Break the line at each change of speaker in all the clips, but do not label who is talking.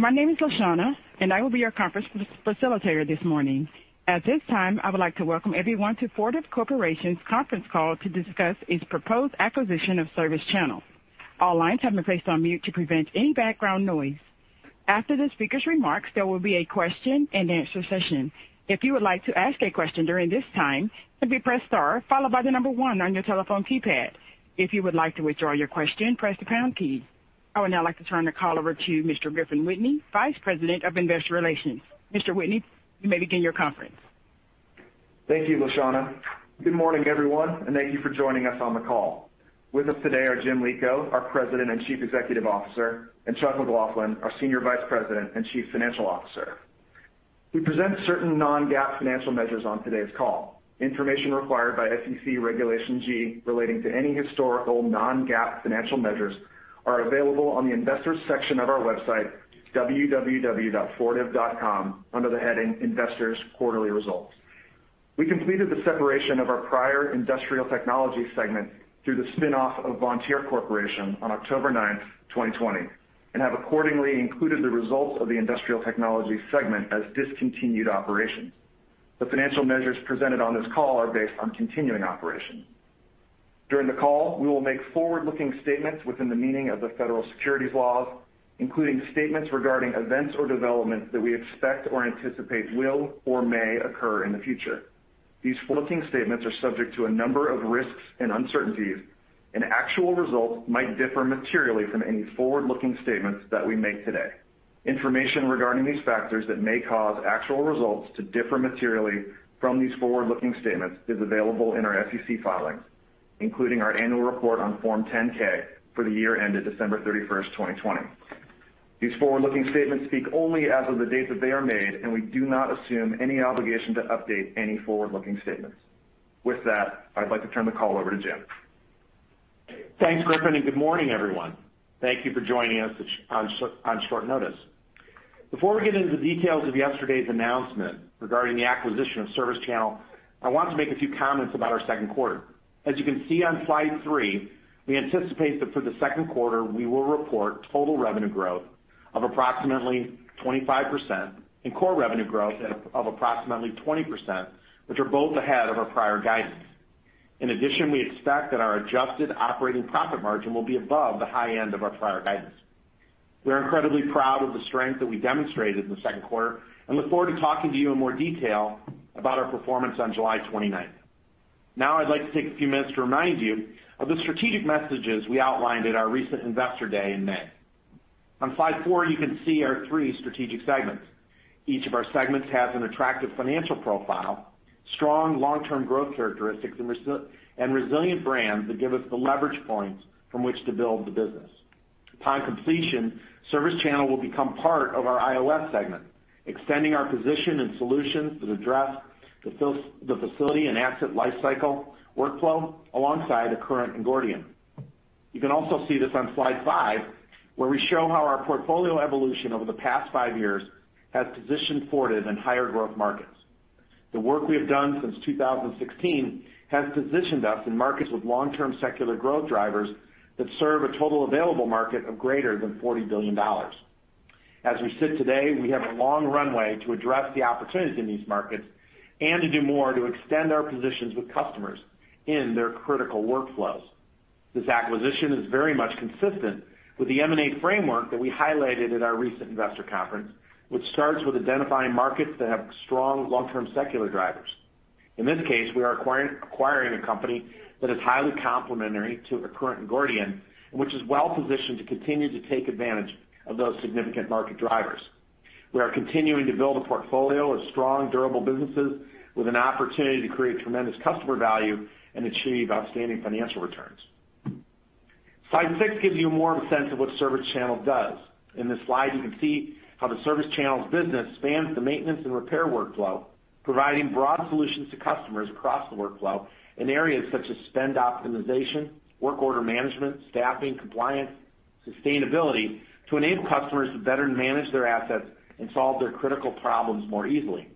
My name is Lashana, and I will be your conference facilitator this morning. At this time, I would like to welcome everyone to Fortive Corporation's conference call to discuss its proposed acquisition of ServiceChannel. All lines have been placed on mute to prevent any background noise. After the speaker's remarks, there will be a question-and-answer session. If you would like to ask a question during this time, simply press star followed by the number one on your telephone keypad. If you would like to withdraw your question, press the pound key. I would now like to turn the call over to Mr. Griffin Whitney, Vice President of Investor Relations. Mr. Whitney, you may begin your conference.
Thank you, Lashana. Good morning, everyone, and thank you for joining us on the call. With us today are Jim Lico, our President and Chief Executive Officer, and Chuck McLaughlin, our Senior Vice President and Chief Financial Officer. We present certain non-GAAP financial measures on today's call. Information required by SEC Regulation G relating to any historical non-GAAP financial measures is available on the Investors' section of our website, www.fortive.com, under the heading Investors' Quarterly Results. We completed the separation of our prior Industrial Technology segment through the spinoff of Vontier Corporation on October 9, 2020, and have accordingly included the results of the Industrial Technology segment as discontinued operations. The financial measures presented on this call are based on continuing operations. During the call, we will make forward-looking statements within the meaning of the federal securities laws, including statements regarding events or developments that we expect or anticipate will or may occur in the future. These forward-looking statements are subject to a number of risks and uncertainties, and actual results might differ materially from any forward-looking statements that we make today. Information regarding these factors that may cause actual results to differ materially from these forward-looking statements is available in our SEC filings, including our annual report on Form 10-K for the year ended December 31, 2020. These forward-looking statements speak only as of the date that they are made, and we do not assume any obligation to update any forward-looking statements. With that, I'd like to turn the call over to Jim.
Thanks, Griffin, and good morning, everyone. Thank you for joining us on short notice. Before we get into the details of yesterday's announcement regarding the acquisition of ServiceChannel, I want to make a few comments about our second quarter. As you can see on slide three, we anticipate that for the second quarter, we will report total revenue growth of approximately 25% and core revenue growth of approximately 20%, which are both ahead of our prior guidance. In addition, we expect that our adjusted operating profit margin will be above the high end of our prior guidance. We are incredibly proud of the strength that we demonstrated in the second quarter and look forward to talking to you in more detail about our performance on July 29. Now, I'd like to take a few minutes to remind you of the strategic messages we outlined at our recent Investor Day in May. On slide four, you can see our three strategic segments. Each of our segments has an attractive financial profile, strong long-term growth characteristics, and resilient brands that give us the leverage points from which to build the business. Upon completion, ServiceChannel will become part of our IOS segment, extending our position and solutions that address the Facility and Asset Lifecycle workflow alongside Accruent and Gordian. You can also see this on slide five, where we show how our portfolio evolution over the past five years has positioned Fortive in higher growth markets. The work we have done since 2016 has positioned us in markets with long-term secular growth drivers that serve a total available market of greater than $40 billion. As we sit today, we have a long runway to address the opportunities in these markets and to do more to extend our positions with customers in their critical workflows. This acquisition is very much consistent with the M&A framework that we highlighted at our recent Investor Conference, which starts with identifying markets that have strong long-term secular drivers. In this case, we are acquiring a company that is highly complementary to Accruent and Gordian, which is well positioned to continue to take advantage of those significant market drivers. We are continuing to build a portfolio of strong, durable businesses with an opportunity to create tremendous customer value and achieve outstanding financial returns. Slide six gives you more of a sense of what ServiceChannel does. In this slide, you can see how the ServiceChannel's business spans the maintenance and repair workflow, providing broad solutions to customers across the workflow in areas such as spend optimization, work order management, staffing, compliance, and sustainability to enable customers to better manage their assets and solve their critical problems more easily.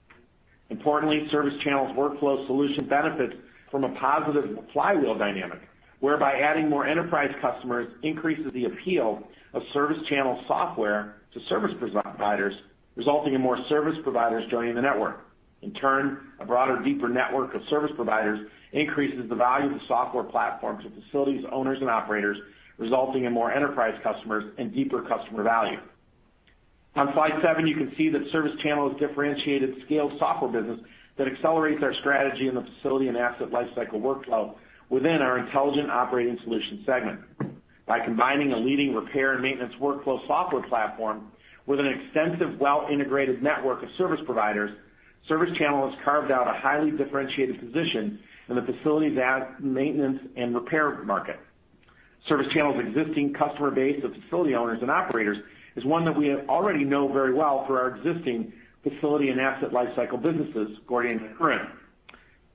Importantly, ServiceChannel's workflow solution benefits from a positive flywheel dynamic, whereby adding more enterprise customers increases the appeal of ServiceChannel software to service providers, resulting in more service providers joining the network. In turn, a broader, deeper network of service providers increases the value of the software platform to facilities, owners, and operators, resulting in more enterprise customers and deeper customer value. On slide seven, you can see that ServiceChannel is a differentiated, scaled software business that accelerates our strategy in the Facility and asset lifecycle workflow within our Intelligent Operating Solution segment. By combining a leading repair and maintenance workflow software platform with an extensive, well-integrated network of service providers, ServiceChannel has carved out a highly differentiated position in the facilities' maintenance and repair market. ServiceChannel's existing customer base of facility owners and operators is one that we already know very well for our existing Facility and Asset Lifecycle businesses, Gordian and Accruent.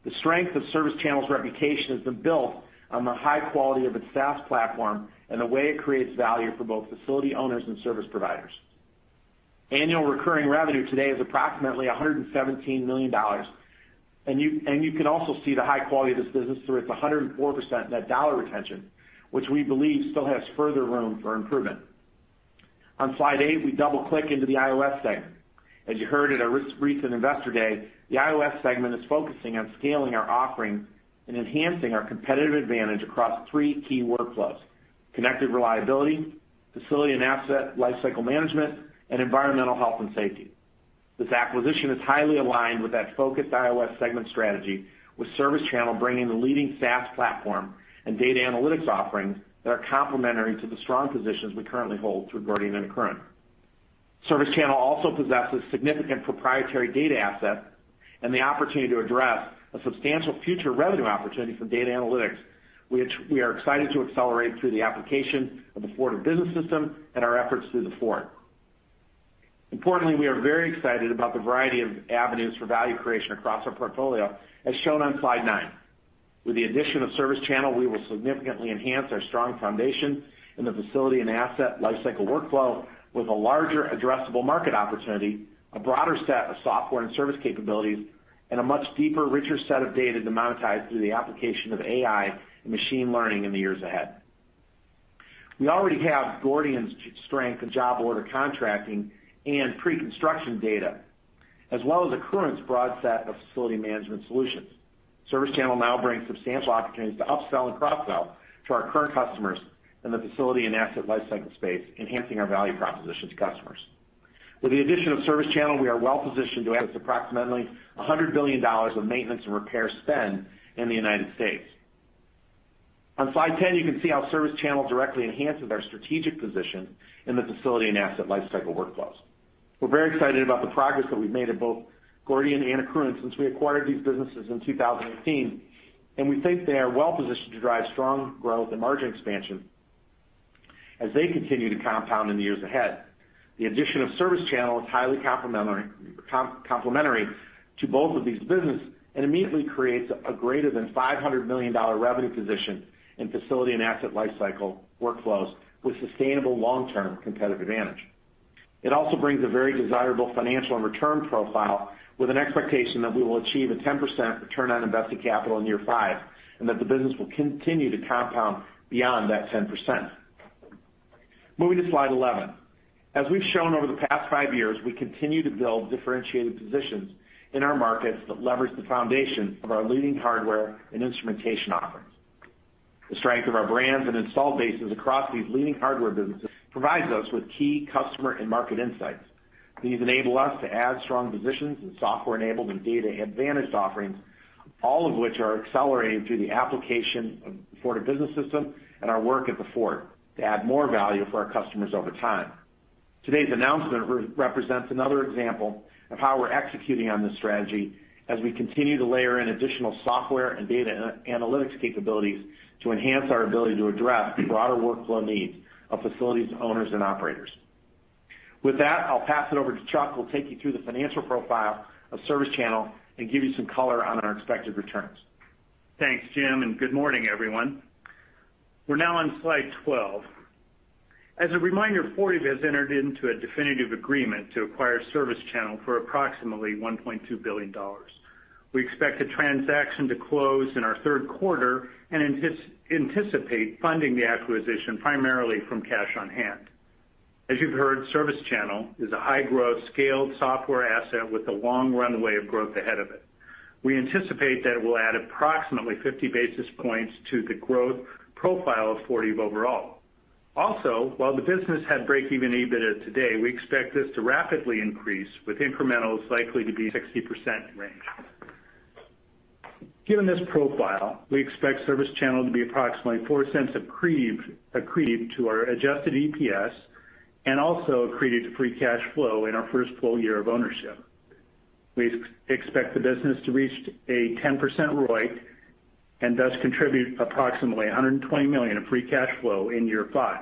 The strength of ServiceChannel's reputation has been built on the high quality of its SaaS platform and the way it creates value for both facility owners and service providers. Annual recurring revenue today is approximately $117 million, and you can also see the high quality of this business through its 104% net dollar retention, which we believe still has further room for improvement. On slide eight, we double-click into the IOS segment. As you heard at our recent Investor Day, the IOS segment is focusing on scaling our offerings and enhancing our competitive advantage across three key workflows: Connected Reliability, Facility and Asset Lifecycle management, and Environmental, Health, and Safety. This acquisition is highly aligned with that focused IOS segment strategy, with ServiceChannel bringing the leading SaaS platform and data analytics offerings that are complementary to the strong positions we currently hold through Gordian and Accruent. ServiceChannel also possesses significant proprietary data assets and the opportunity to address a substantial future revenue opportunity from data analytics, which we are excited to accelerate through the application of the Fortive Business System and our efforts through the Fort. Importantly, we are very excited about the variety of avenues for value creation across our portfolio, as shown on slide nine. With the addition of ServiceChannel, we will significantly enhance our strong foundation in the Facility and Asset Lifecycle workflow with a larger addressable market opportunity, a broader set of software and service capabilities, and a much deeper, richer set of data monetized through the application of AI and machine learning in the years ahead. We already have Gordian's strength in Job Order Contracting and pre-construction data, as well as Accruent's broad set of facility management solutions. ServiceChannel now brings substantial opportunities to upsell and cross-sell to our current customers in the Facility and Asset Lifecycle space, enhancing our value proposition to customers. With the addition of ServiceChannel, we are well positioned to access approximately $100 billion of maintenance and repair spend in the United States. On slide 10, you can see how ServiceChannel directly enhances our strategic position in the Facility and Asset Lifecycle workflows. We're very excited about the progress that we've made at both Gordian and Accruent since we acquired these businesses in 2018, and we think they are well positioned to drive strong growth and margin expansion as they continue to compound in the years ahead. The addition of ServiceChannel is highly complementary to both of these businesses and immediately creates a greater than $500 million revenue position in Facility and Asset Lifecycle workflows with sustainable long-term competitive advantage. It also brings a very desirable financial and return profile with an expectation that we will achieve a 10% return on invested capital in year five and that the business will continue to compound beyond that 10%. Moving to slide 11. As we've shown over the past five years, we continue to build differentiated positions in our markets that leverage the foundation of our leading hardware and instrumentation offerings. The strength of our brands and installed bases across these leading hardware businesses provides us with key customer and market insights. These enable us to add strong positions in software-enabled and data-advantaged offerings, all of which are accelerated through the application of the Fortive Business system and our work at the Fort to add more value for our customers over time. Today's announcement represents another example of how we're executing on this strategy as we continue to layer in additional software and data analytics capabilities to enhance our ability to address the broader workflow needs of facilities, owners, and operators. With that, I'll pass it over to Chuck, who will take you through the financial profile of ServiceChannel and give you some color on our expected returns.
Thanks, Jim, and good morning, everyone. We're now on slide 12. As a reminder, Fortive has entered into a definitive agreement to acquire ServiceChannel for approximately $1.2 billion. We expect the transaction to close in our third quarter and anticipate funding the acquisition primarily from cash on hand. As you've heard, ServiceChannel is a high-growth, scaled software asset with a long runway of growth ahead of it. We anticipate that it will add approximately 50 basis points to the growth profile of Fortive overall. Also, while the business had break-even EBITDA today, we expect this to rapidly increase with incrementals likely to be in the 60% range. Given this profile, we expect ServiceChannel to be approximately $0.04 accretive to our adjusted EPS and also accretive to free cash flow in our first full year of ownership. We expect the business to reach a 10% ROI and thus contribute approximately $120 million of free cash flow in year five.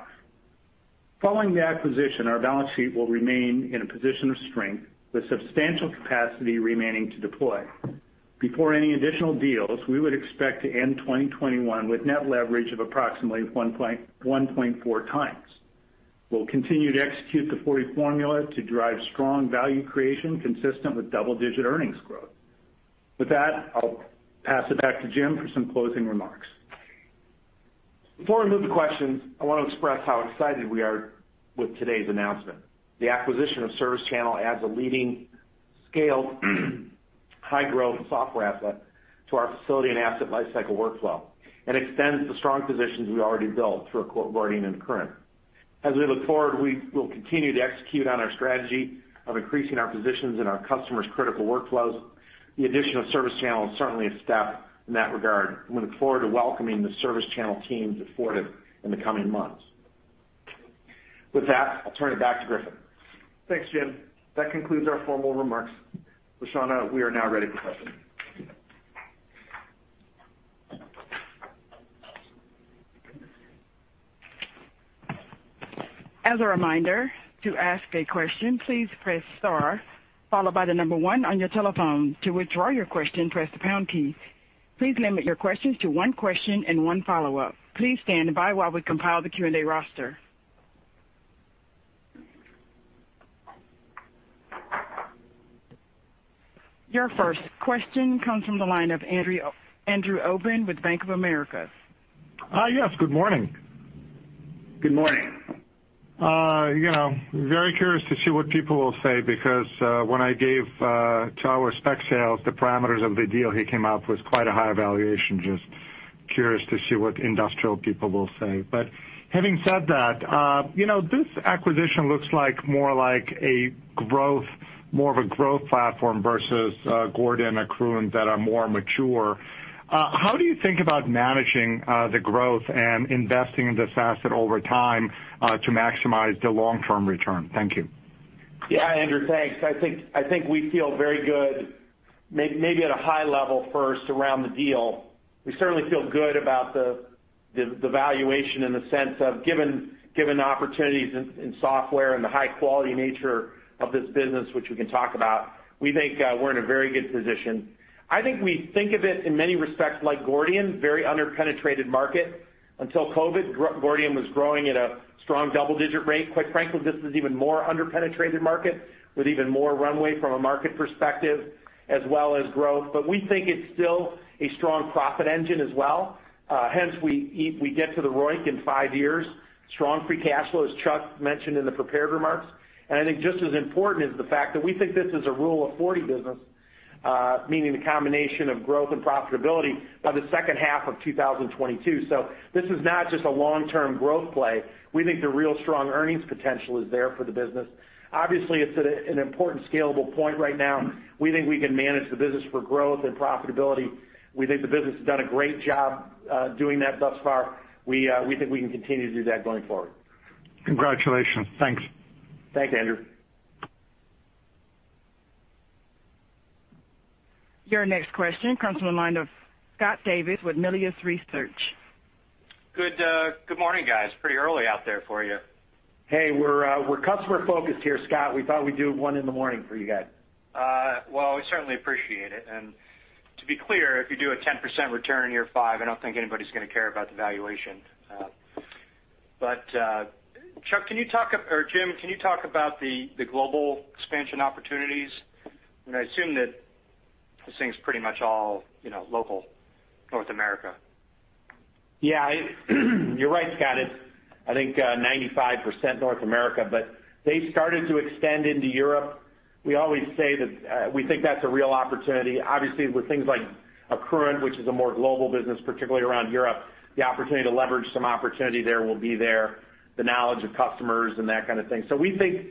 Following the acquisition, our balance sheet will remain in a position of strength with substantial capacity remaining to deploy. Before any additional deals, we would expect to end 2021 with net leverage of approximately 1.4 times. We'll continue to execute the Fortive Formula to drive strong value creation consistent with double-digit earnings growth. With that, I'll pass it back to Jim for some closing remarks. Before we move to questions, I want to express how excited we are with today's announcement. The acquisition of ServiceChannel adds a leading, scaled, high-growth software asset to our Facility and Asset Lifecycle workflow and extends the strong positions we already built through Accruent, Gordian, and Accruent. As we look forward, we will continue to execute on our strategy of increasing our positions in our customers' critical workflows. The addition of ServiceChannel is certainly a step in that regard. We look forward to welcoming the ServiceChannel teams at Fortive in the coming months. With that, I'll turn it back to Griffin.
Thanks, Jim. That concludes our formal remarks. Lashana, we are now ready for questions.
As a reminder, to ask a question, please press star, followed by the number one on your telephone. To withdraw your question, press the pound key. Please limit your questions to one question and one follow-up. Please stand by while we compile the Q&A roster. Your first question comes from the line of Andrew Obin with Bank of America.
Hi, yes. Good morning.
Good morning.
You know, very curious to see what people will say because when I gave Tower SpecSales the parameters of the deal he came up with, quite a high valuation. Just curious to see what industrial people will say. But having said that, you know, this acquisition looks more like a growth, more of a growth platform versus Gordian, Accruent that are more mature. How do you think about managing the growth and investing in this asset over time to maximize the long-term return? Thank you.
Yeah, Andrew, thanks. I think we feel very good, maybe at a high level first around the deal. We certainly feel good about the valuation in the sense of given the opportunities in software and the high-quality nature of this business, which we can talk about. We think we're in a very good position. I think we think of it in many respects like Gordian, very underpenetrated market until COVID. Gordian was growing at a strong double-digit rate. Quite frankly, this is an even more underpenetrated market with even more runway from a market perspective, as well as growth. But we think it's still a strong profit engine as well. Hence, we get to the ROI in five years, strong free cash flows, Chuck mentioned in the prepared remarks. And I think just as important is the fact that we think this is a Rule of 40 business, meaning the combination of growth and profitability by the second half of 2022. So this is not just a long-term growth play. We think the real strong earnings potential is there for the business. Obviously, it's an important scalable point right now. We think we can manage the business for growth and profitability. We think the business has done a great job doing that thus far. We think we can continue to do that going forward.
Congratulations. Thanks.
Thanks, Andrew.
Your next question comes from the line of Scott Davis with Melius Research.
Good morning, guys. Pretty early out there for you.
Hey, we're customer-focused here, Scott. We thought we'd do one in the morning for you guys.
We certainly appreciate it. To be clear, if you do a 10% return in year five, I don't think anybody's going to care about the valuation. Chuck, can you talk or Jim, can you talk about the global expansion opportunities? I mean, I assume that this thing's pretty much all local North America.
Yeah, you're right, Scott. I think 95% North America, but they've started to extend into Europe. We always say that we think that's a real opportunity. Obviously, with things like Accruent, which is a more global business, particularly around Europe, the opportunity to leverage some opportunity there will be there, the knowledge of customers and that kind of thing. So we think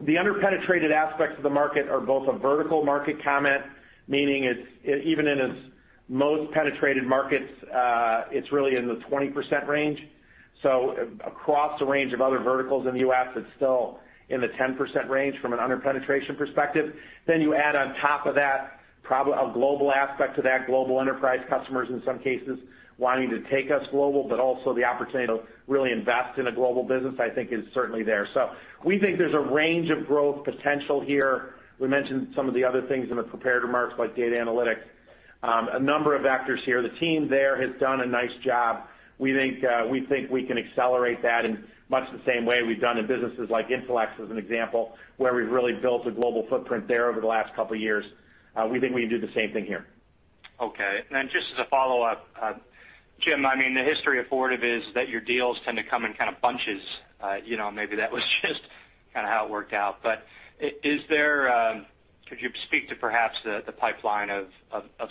the underpenetrated aspects of the market are both a vertical market comment, meaning even in its most penetrated markets, it's really in the 20% range. So across a range of other verticals in the U.S., it's still in the 10% range from an underpenetration perspective. Then you add on top of that probably a global aspect to that, global enterprise customers in some cases wanting to take us global, but also the opportunity to really invest in a global business, I think, is certainly there. So we think there's a range of growth potential here. We mentioned some of the other things in the prepared remarks like data analytics, a number of vectors here. The team there has done a nice job. We think we can accelerate that in much the same way we've done in businesses like Intelex as an example, where we've really built a global footprint there over the last couple of years. We think we can do the same thing here.
Okay. And just as a follow-up, Jim, I mean, the history of Fortive is that your deals tend to come in kind of bunches. Maybe that was just kind of how it worked out. But could you speak to perhaps the pipeline of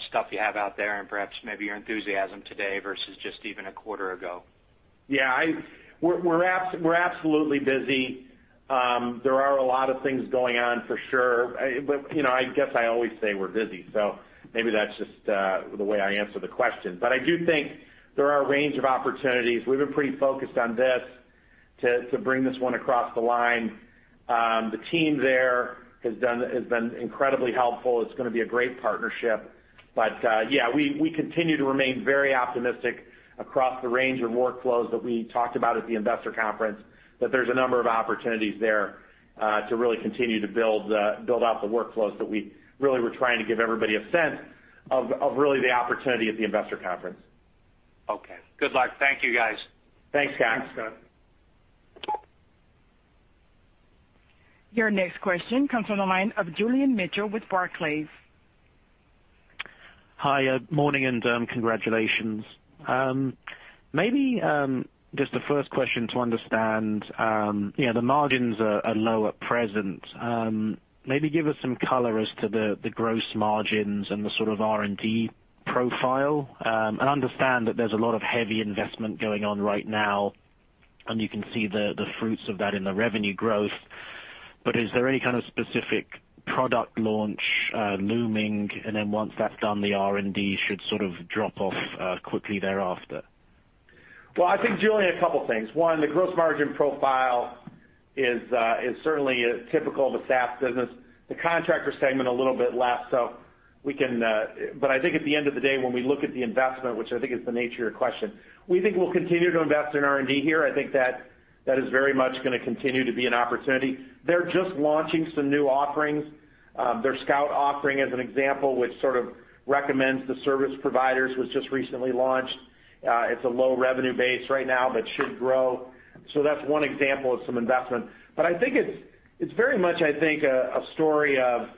stuff you have out there and perhaps maybe your enthusiasm today versus just even a quarter ago?
Yeah, we're absolutely busy. There are a lot of things going on for sure. I guess I always say we're busy, so maybe that's just the way I answer the question. But I do think there are a range of opportunities. We've been pretty focused on this to bring this one across the line. The team there has been incredibly helpful. It's going to be a great partnership. But yeah, we continue to remain very optimistic across the range of workflows that we talked about at the investor conference, that there's a number of opportunities there to really continue to build out the workflows that we really were trying to give everybody a sense of really the opportunity at the investor conference.
Okay. Good luck. Thank you, guys.
Thanks, guys.
Thanks, Scott. Your next question comes from the line of Julian Mitchell with Barclays.
Hi, morning and congratulations. Maybe just the first question to understand, the margins are low at present. Maybe give us some color as to the gross margins and the sort of R&D profile. I understand that there's a lot of heavy investment going on right now, and you can see the fruits of that in the revenue growth. But is there any kind of specific product launch looming? And then once that's done, the R&D should sort of drop off quickly thereafter.
I think, Julian, a couple of things. One, the gross margin profile is certainly typical of a SaaS business. The contractor segment a little bit less, but I think at the end of the day, when we look at the investment, which I think is the nature of your question, we think we'll continue to invest in R&D here. I think that is very much going to continue to be an opportunity. They're just launching some new offerings. Their Scout offering, as an example, which sort of recommends the service providers, was just recently launched. It's a low revenue base right now, but should grow. So that's one example of some investment. But I think it's very much, I think, a story of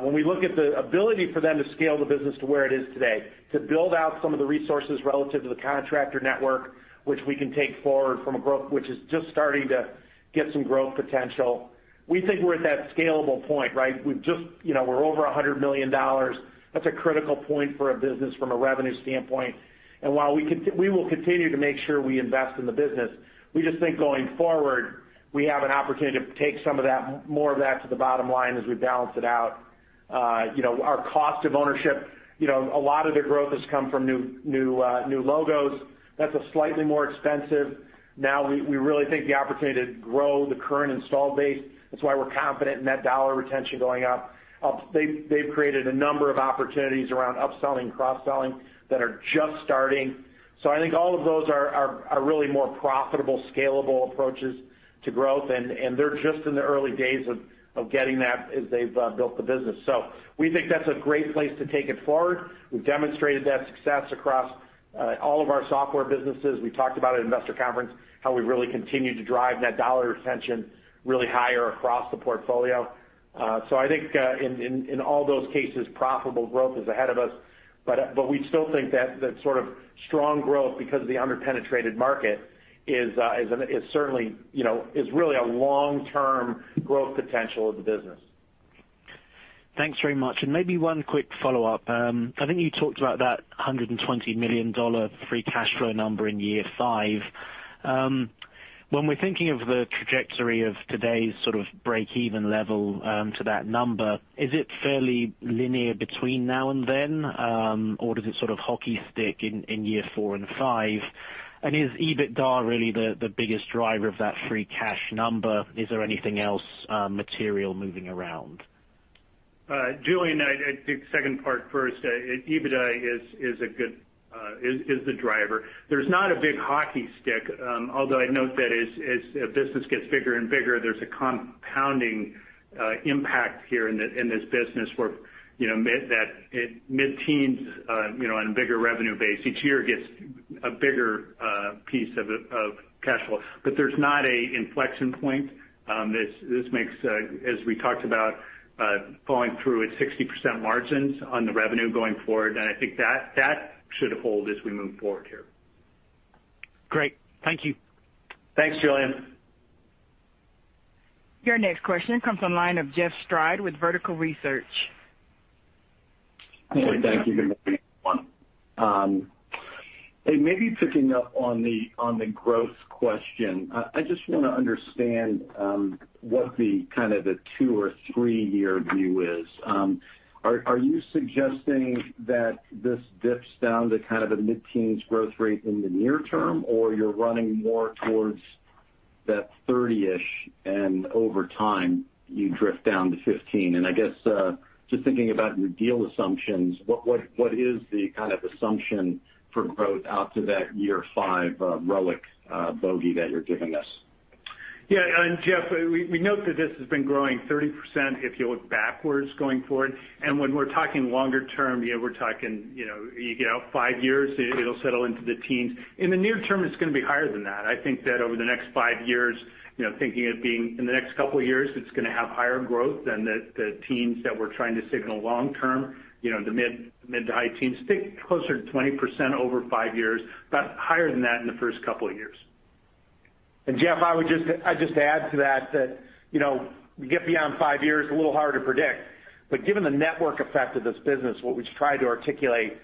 when we look at the ability for them to scale the business to where it is today, to build out some of the resources relative to the contractor network, which we can take forward from a growth, which is just starting to get some growth potential. We think we're at that scalable point, right? We're over $100 million. That's a critical point for a business from a revenue standpoint. And while we will continue to make sure we invest in the business, we just think going forward, we have an opportunity to take some of that, more of that to the bottom line as we balance it out. Our cost of ownership, a lot of the growth has come from new logos. That's a slightly more expensive. Now, we really think the opportunity to grow the current install base. That's why we're confident in that dollar retention going up. They've created a number of opportunities around upselling and cross-selling that are just starting. So I think all of those are really more profitable, scalable approaches to growth. And they're just in the early days of getting that as they've built the business. So we think that's a great place to take it forward. We've demonstrated that success across all of our software businesses. We talked about it at investor conference, how we've really continued to drive that dollar retention really higher across the portfolio. So I think in all those cases, profitable growth is ahead of us. But we still think that sort of strong growth because of the underpenetrated market is certainly really a long-term growth potential of the business.
Thanks very much. And maybe one quick follow-up. I think you talked about that $120 million free cash flow number in year five. When we're thinking of the trajectory of today's sort of break-even level to that number, is it fairly linear between now and then, or does it sort of hockey stick in year four and five? And is EBITDA really the biggest driver of that free cash number? Is there anything else material moving around?
Julian, I take the second part first. EBITDA is the driver. There's not a big hockey stick, although I'd note that as the business gets bigger and bigger, there's a compounding impact here in this business where that mid-teens and bigger revenue base each year gets a bigger piece of cash flow. But there's not an inflection point. This makes, as we talked about, flowing through at 60% margins on the revenue going forward, and I think that should hold as we move forward here.
Great. Thank you.
Thanks, Julian.
Your next question comes from the line of Jeff Sprague with Vertical Research Partners.
Hey, thank you. Good morning, everyone. Hey, maybe picking up on the growth question, I just want to understand what the kind of the two or three-year view is. Are you suggesting that this dips down to kind of a mid-teens growth rate in the near term, or you're running more towards that 30-ish, and over time, you drift down to 15? And I guess just thinking about your deal assumptions, what is the kind of assumption for growth out to that year five ROIC bogey that you're giving us?
Yeah. And Jeff, we note that this has been growing 30% if you look backwards going forward. And when we're talking longer term, we're talking five years, it'll settle into the teens. In the near term, it's going to be higher than that. I think that over the next five years, thinking of being in the next couple of years, it's going to have higher growth than the teens that we're trying to signal long term. The mid- to high-teens stick closer to 20% over five years, but higher than that in the first couple of years. And Jeff, I would just add to that that we get beyond five years, a little harder to predict. But given the network effect of this business, what we've tried to articulate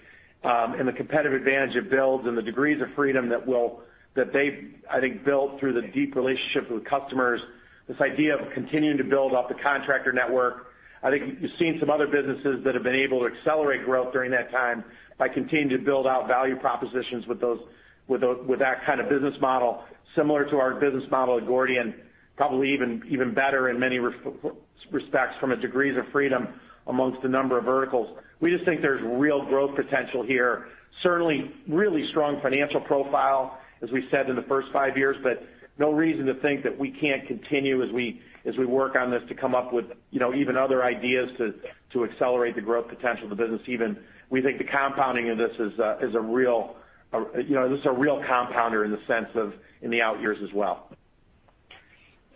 and the competitive advantage it builds and the degrees of freedom that they, I think, built through the deep relationship with customers, this idea of continuing to build up the contractor network, I think you've seen some other businesses that have been able to accelerate growth during that time by continuing to build out value propositions with that kind of business model, similar to our business model at Gordian, probably even better in many respects from a degrees of freedom amongst a number of verticals. We just think there's real growth potential here. Certainly, really strong financial profile, as we said in the first five years, but no reason to think that we can't continue as we work on this to come up with even other ideas to accelerate the growth potential of the business. Even we think the compounding of this is a real compounder in the sense of the out years as well.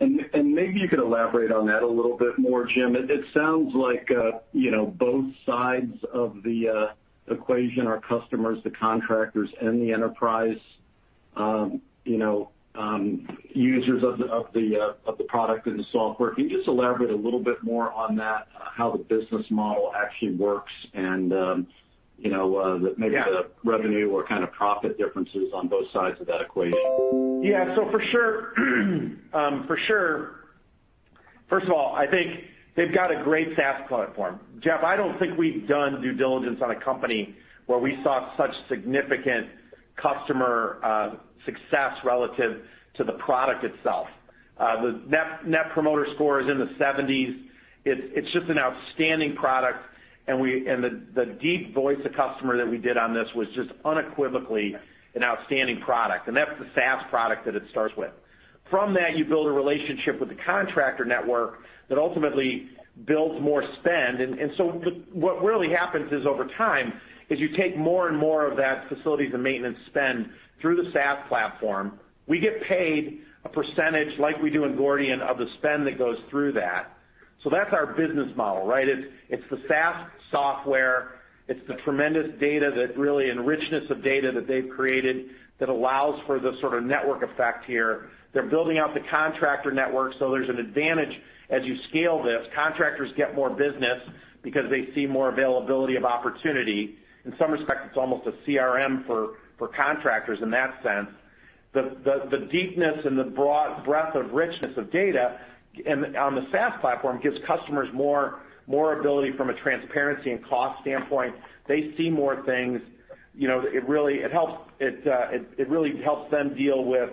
And maybe you could elaborate on that a little bit more, Jim. It sounds like both sides of the equation are customers, the contractors, and the enterprise users of the product and the software. Can you just elaborate a little bit more on that, how the business model actually works and maybe the revenue or kind of profit differences on both sides of that equation?
Yeah. So for sure, first of all, I think they've got a great SaaS platform. Jeff, I don't think we've done due diligence on a company where we saw such significant customer success relative to the product itself. The Net Promoter Score is in the 70s. It's just an outstanding product. And the deep voice of customer that we did on this was just unequivocally an outstanding product. And that's the SaaS product that it starts with. From that, you build a relationship with the contractor network that ultimately builds more spend. And so what really happens is over time is you take more and more of that facilities and maintenance spend through the SaaS platform. We get paid a percentage like we do in Gordian of the spend that goes through that. So that's our business model, right? It's the SaaS software. It's the tremendous data that really and richness of data that they've created that allows for the sort of network effect here. They're building out the contractor network, so there's an advantage as you scale this. Contractors get more business because they see more availability of opportunity. In some respects, it's almost a CRM for contractors in that sense. The deepness and the breadth of richness of data on the SaaS platform gives customers more ability from a transparency and cost standpoint. They see more things. It really helps them deal with,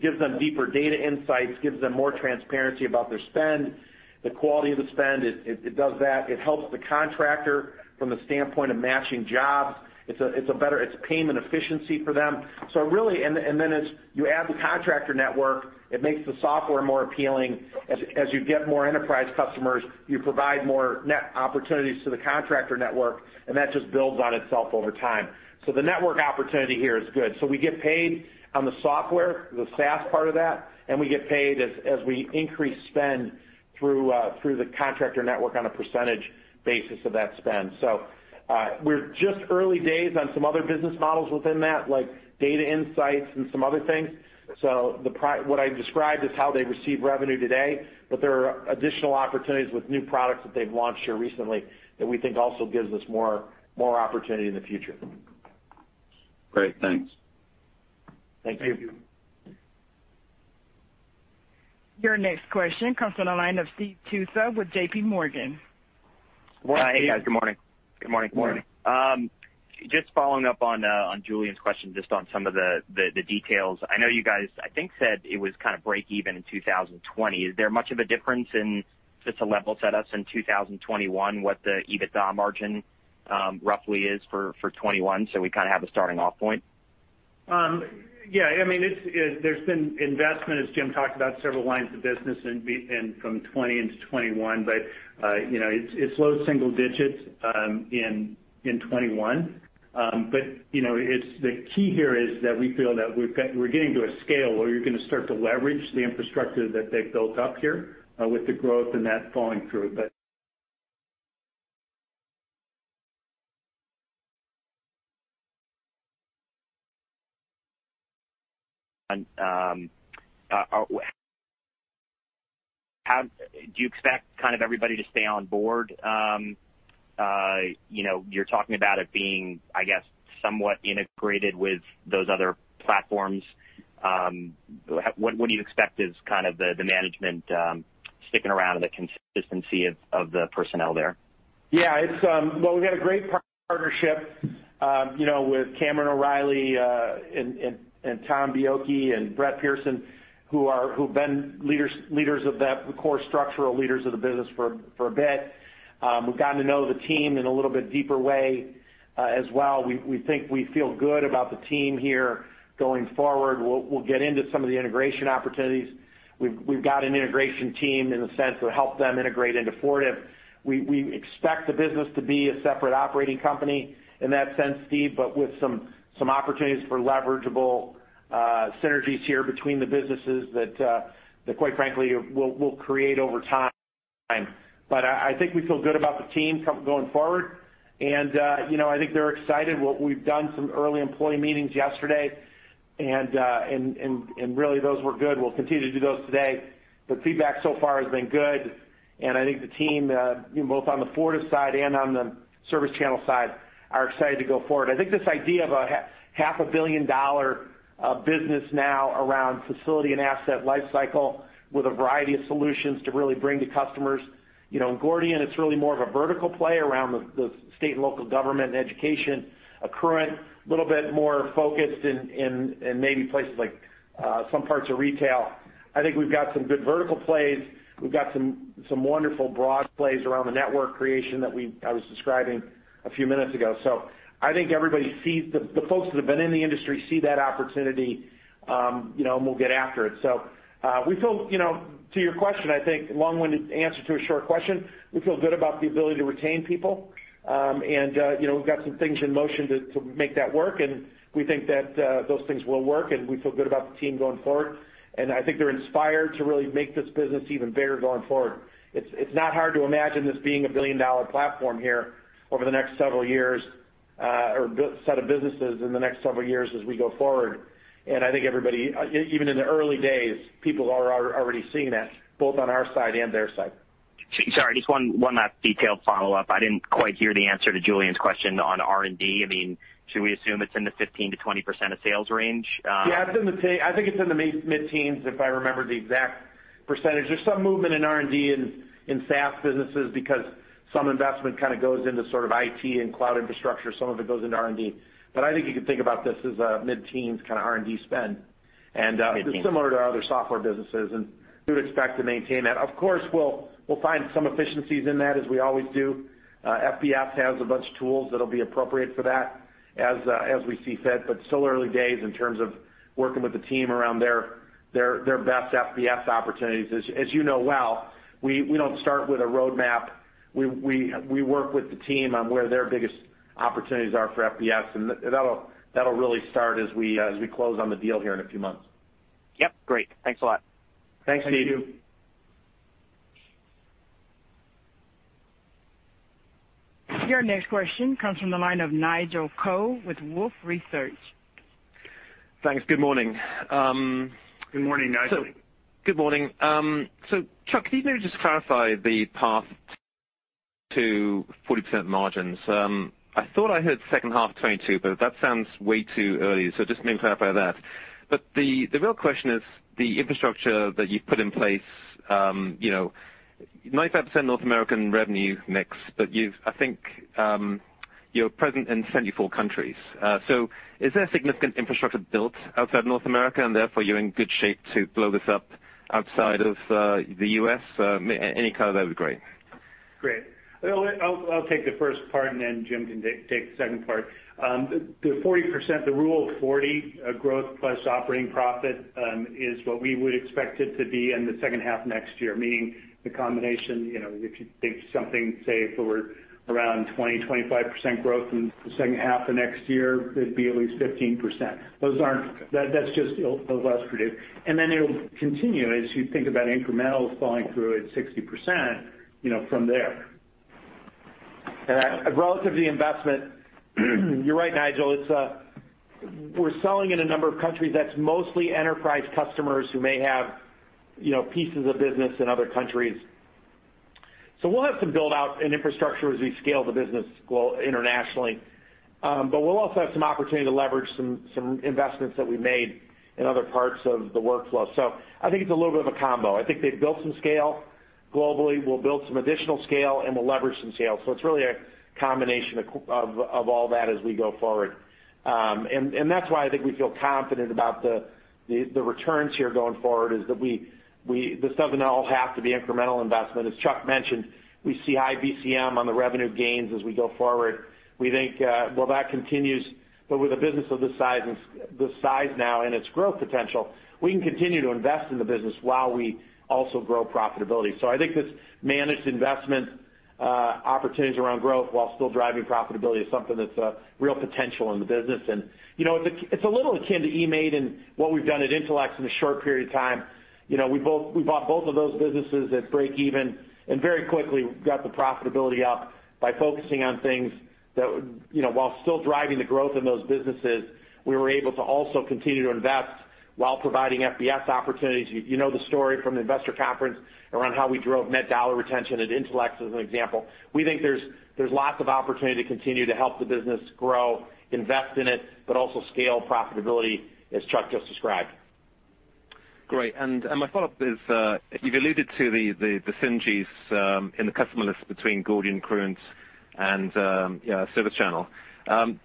gives them deeper data insights, gives them more transparency about their spend, the quality of the spend. It does that. It helps the contractor from the standpoint of matching jobs. It's payment efficiency for them. And then you add the contractor network. It makes the software more appealing. As you get more enterprise customers, you provide more net opportunities to the contractor network, and that just builds on itself over time. So the network opportunity here is good. So we get paid on the software, the SaaS part of that, and we get paid as we increase spend through the contractor network on a percentage basis of that spend. So we're just early days on some other business models within that, like data insights and some other things. So what I described is how they receive revenue today, but there are additional opportunities with new products that they've launched here recently that we think also gives us more opportunity in the future.
Great. Thanks.
Thank you.
Your next question comes from the line of Steve Tusa with J.P. Morgan.
Hey, guys. Good morning. Good morning. Good morning. Just following up on Julian's question just on some of the details. I know you guys, I think, said it was kind of break-even in 2020. Is there much of a difference in just a level setup in 2021, what the EBITDA margin roughly is for '21, so we kind of have a starting off point?
Yeah. I mean, there's been investment, as Jim talked about, several lines of business from 2020 into 2021, but it's low single digits in 2021. But the key here is that we feel that we're getting to a scale where you're going to start to leverage the infrastructure that they've built up here with the growth and that falling through.
Do you expect kind of everybody to stay on board? You're talking about it being, I guess, somewhat integrated with those other platforms. What do you expect is kind of the management sticking around and the consistency of the personnel there?
Yeah. We've had a great partnership with Cameron O'Reilly and Tom Buiocchi and Brett Pearson, who've been leaders of that core structure, leaders of the business for a bit. We've gotten to know the team in a little bit deeper way as well. We think we feel good about the team here going forward. We'll get into some of the integration opportunities. We've got an integration team in the sense of help them integrate into Fortive. We expect the business to be a separate operating company in that sense, Steve, but with some opportunities for leverageable synergies here between the businesses that, quite frankly, we'll create over time. I think we feel good about the team going forward. I think they're excited. We've done some early employee meetings yesterday, and really those were good. We'll continue to do those today. The feedback so far has been good. And I think the team, both on the Fortive side and on the ServiceChannel side, are excited to go forward. I think this idea of a $500 million business now around Facility and Asset Lifecycle with a variety of solutions to really bring to customers. In Gordian, it's really more of a vertical play around the state and local government and education, Accruent a little bit more focused in maybe places like some parts of retail. I think we've got some good vertical plays. We've got some wonderful broad plays around the network creation that I was describing a few minutes ago. So I think everybody sees the folks that have been in the industry see that opportunity and will get after it. So to your question, I think long-winded answer to a short question, we feel good about the ability to retain people. We've got some things in motion to make that work. We think that those things will work, and we feel good about the team going forward. I think they're inspired to really make this business even bigger going forward. It's not hard to imagine this being a billion-dollar platform here over the next several years or set of businesses in the next several years as we go forward. I think everybody, even in the early days, people are already seeing that both on our side and their side.
Sorry, just one last detailed follow-up. I didn't quite hear the answer to Julian's question on R&D. I mean, should we assume it's in the 15%-20% of sales range?
Yeah. I think it's in the mid-teens, if I remember the exact percentage. There's some movement in R&D in SaaS businesses because some investment kind of goes into sort of IT and cloud infrastructure. Some of it goes into R&D. But I think you could think about this as a mid-teens kind of R&D spend and similar to other software businesses. And we would expect to maintain that. Of course, we'll find some efficiencies in that, as we always do. FBS has a bunch of tools that will be appropriate for that as we see fit. But still early days in terms of working with the team around their best FBS opportunities. As you know well, we don't start with a roadmap. We work with the team on where their biggest opportunities are for FBS. And that'll really start as we close on the deal here in a few months.
Yep. Great. Thanks a lot.
Thanks, Steve.
Thank you. Your next question comes from the line of Nigel Coe with Wolfe Research.
Thanks. Good morning.
Good morning, Nigel.
Good morning. So Chuck, can you maybe just clarify the path to 40% margins? I thought I heard second half 2022, but that sounds way too early. So just maybe clarify that. But the real question is the infrastructure that you've put in place. 95% North American revenue mix, but I think you're present in 74 countries. So is there significant infrastructure built outside North America? And therefore, you're in good shape to blow this up outside of the US? Any color there would be great.
Great. I'll take the first part, and then Jim can take the second part. The 40%, the Rule of 40, growth plus operating profit is what we would expect it to be in the second half next year, meaning the combination. If you think something, say, if we're around 20%-25% growth in the second half of next year, it'd be at least 15%. That's just the less predictable, and then it'll continue as you think about incrementals falling through at 60% from there, and relative to the investment, you're right, Nigel. We're selling in a number of countries. That's mostly enterprise customers who may have pieces of business in other countries. So we'll have some build-out in infrastructure as we scale the business internationally. But we'll also have some opportunity to leverage some investments that we made in other parts of the workflow. I think it's a little bit of a combo. I think they've built some scale globally. We'll build some additional scale, and we'll leverage some scale. It's really a combination of all that as we go forward. That's why I think we feel confident about the returns here going forward, is that this doesn't all have to be incremental investment. As Chuck mentioned, we see high VCM on the revenue gains as we go forward. We think, well, that continues. But with a business of this size now and its growth potential, we can continue to invest in the business while we also grow profitability. I think this managed investment opportunities around growth while still driving profitability is something that's a real potential in the business. It's a little akin to eMaint and what we've done at Intelex in a short period of time. We bought both of those businesses at break-even and very quickly got the profitability up by focusing on things that, while still driving the growth in those businesses, we were able to also continue to invest while providing FBS opportunities. You know the story from the investor conference around how we drove net dollar retention at Intelex as an example. We think there's lots of opportunity to continue to help the business grow, invest in it, but also scale profitability as Chuck just described.
Great. And my follow-up is you've alluded to the synergies in the customer list between Gordian and Accruent and ServiceChannel.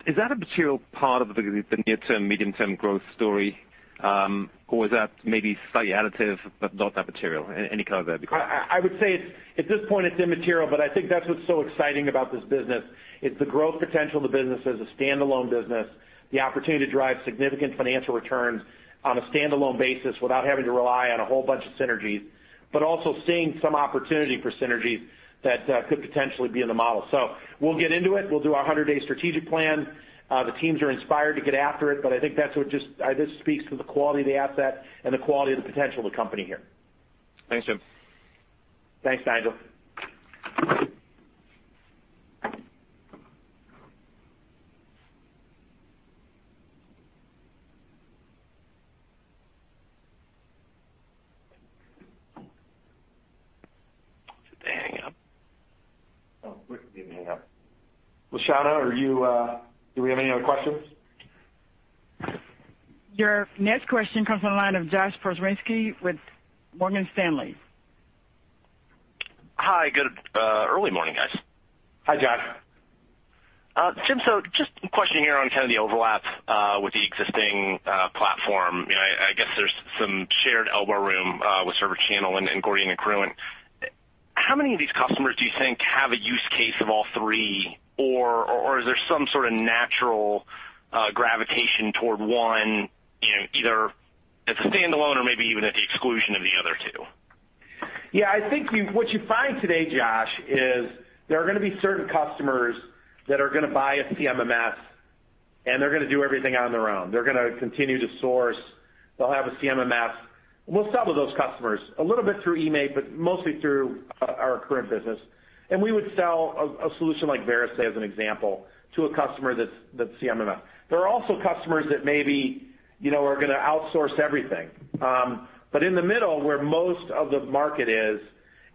Is that a material part of the near-term, medium-term growth story, or is that maybe slightly additive but not that material? Any color there?
I would say at this point, it's immaterial. But I think that's what's so exciting about this business. It's the growth potential of the business as a standalone business, the opportunity to drive significant financial returns on a standalone basis without having to rely on a whole bunch of synergies, but also seeing some opportunity for synergies that could potentially be in the model. So we'll get into it. We'll do our 100-day strategic plan. The teams are inspired to get after it. But I think that's what just speaks to the quality of the asset and the quality of the potential of the company here.
Thanks, Jim.
Thanks, Nigel.
Did they hang up? Oh, we're going to hang up.
Lashana, do we have any other questions?
Your next question comes from the line of Josh Pokrzywinski with Morgan Stanley.
Hi. Good early morning, guys.
Hi, Josh.
Jim, so just a question here on kind of the overlap with the existing platform. I guess there's some shared elbow room with ServiceChannel and Gordian and Corrigo and how many of these customers do you think have a use case of all three, or is there some sort of natural gravitation toward one, either as a standalone or maybe even at the exclusion of the other two?
Yeah. I think what you find today, Josh, is there are going to be certain customers that are going to buy a CMMS, and they're going to do everything on their own. They're going to continue to source. They'll have a CMMS. We'll sell to those customers a little bit through eMaint, but mostly through our Accruent business. And we would sell a solution like Verisae as an example to a customer that's CMMS. There are also customers that maybe are going to outsource everything. But in the middle, where most of the market is,